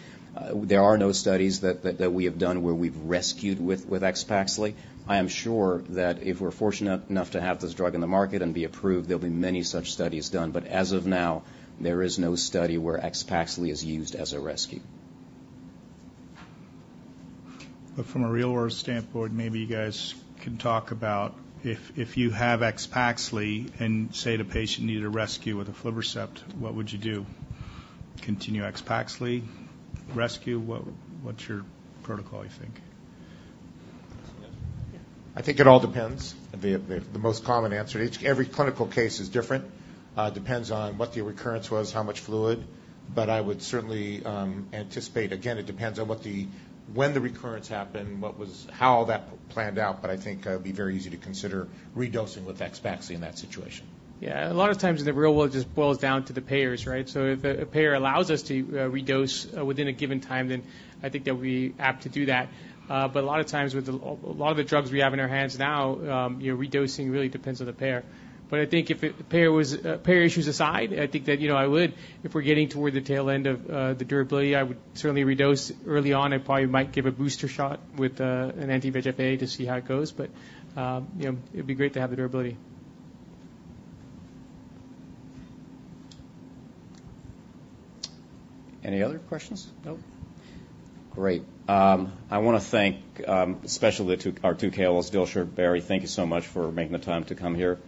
There are no studies that we have done where we've rescued with AXPAXLI. I am sure that if we're fortunate enough to have this drug in the market and be approved, there'll be many such studies done. But as of now, there is no study where AXPAXLI is used as a rescue. But from a real world standpoint, maybe you guys can talk about if you have AXPAXLI and say, the patient needed a rescue with aflibercept, what would you do? Continue AXPAXLI rescue? What's your protocol, you think? I think it all depends. The most common answer is every clinical case is different. Depends on what the recurrence was, how much fluid. But I would certainly anticipate. Again, it depends on when the recurrence happened, what was... how that planned out, but I think it'd be very easy to consider redosing with AXPAXLI in that situation. Yeah, a lot of times in the real world, it just boils down to the payers, right? So if a payer allows us to redose within a given time, then I think that we're apt to do that. But a lot of times with a lot of the drugs we have in our hands now, redosing really depends on the payer. But I think if the payer was payer issues aside, I think that, you know, I would. If we're getting toward the tail end of the durability, I would certainly redose early on. I probably might give a booster shot with an anti-VEGF-A to see how it goes. But you know, it'd be great to have the durability. Any other questions? Nope. Great. I want to thank, especially the two, our two KOLs, Dilsher, Barry, thank you so much for making the time to come here.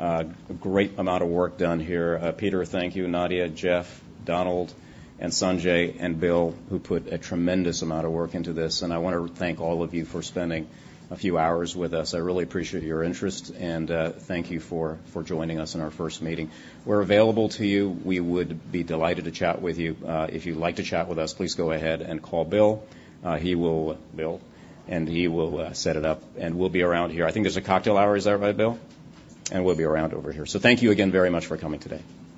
A great amount of work done here. Peter, thank you, Nadia, Jeff, Donald, and Sanjay and Bill, who put a tremendous amount of work into this. I want to thank all of you for spending a few hours with us. I really appreciate your interest, and thank you for joining us in our first meeting. We're available to you. We would be delighted to chat with you. If you'd like to chat with us, please go ahead and call Bill. Bill, and he will set it up, and we'll be around here. I think there's a cocktail hour. Is that right, Bill? We'll be around over here. Thank you again very much for coming today.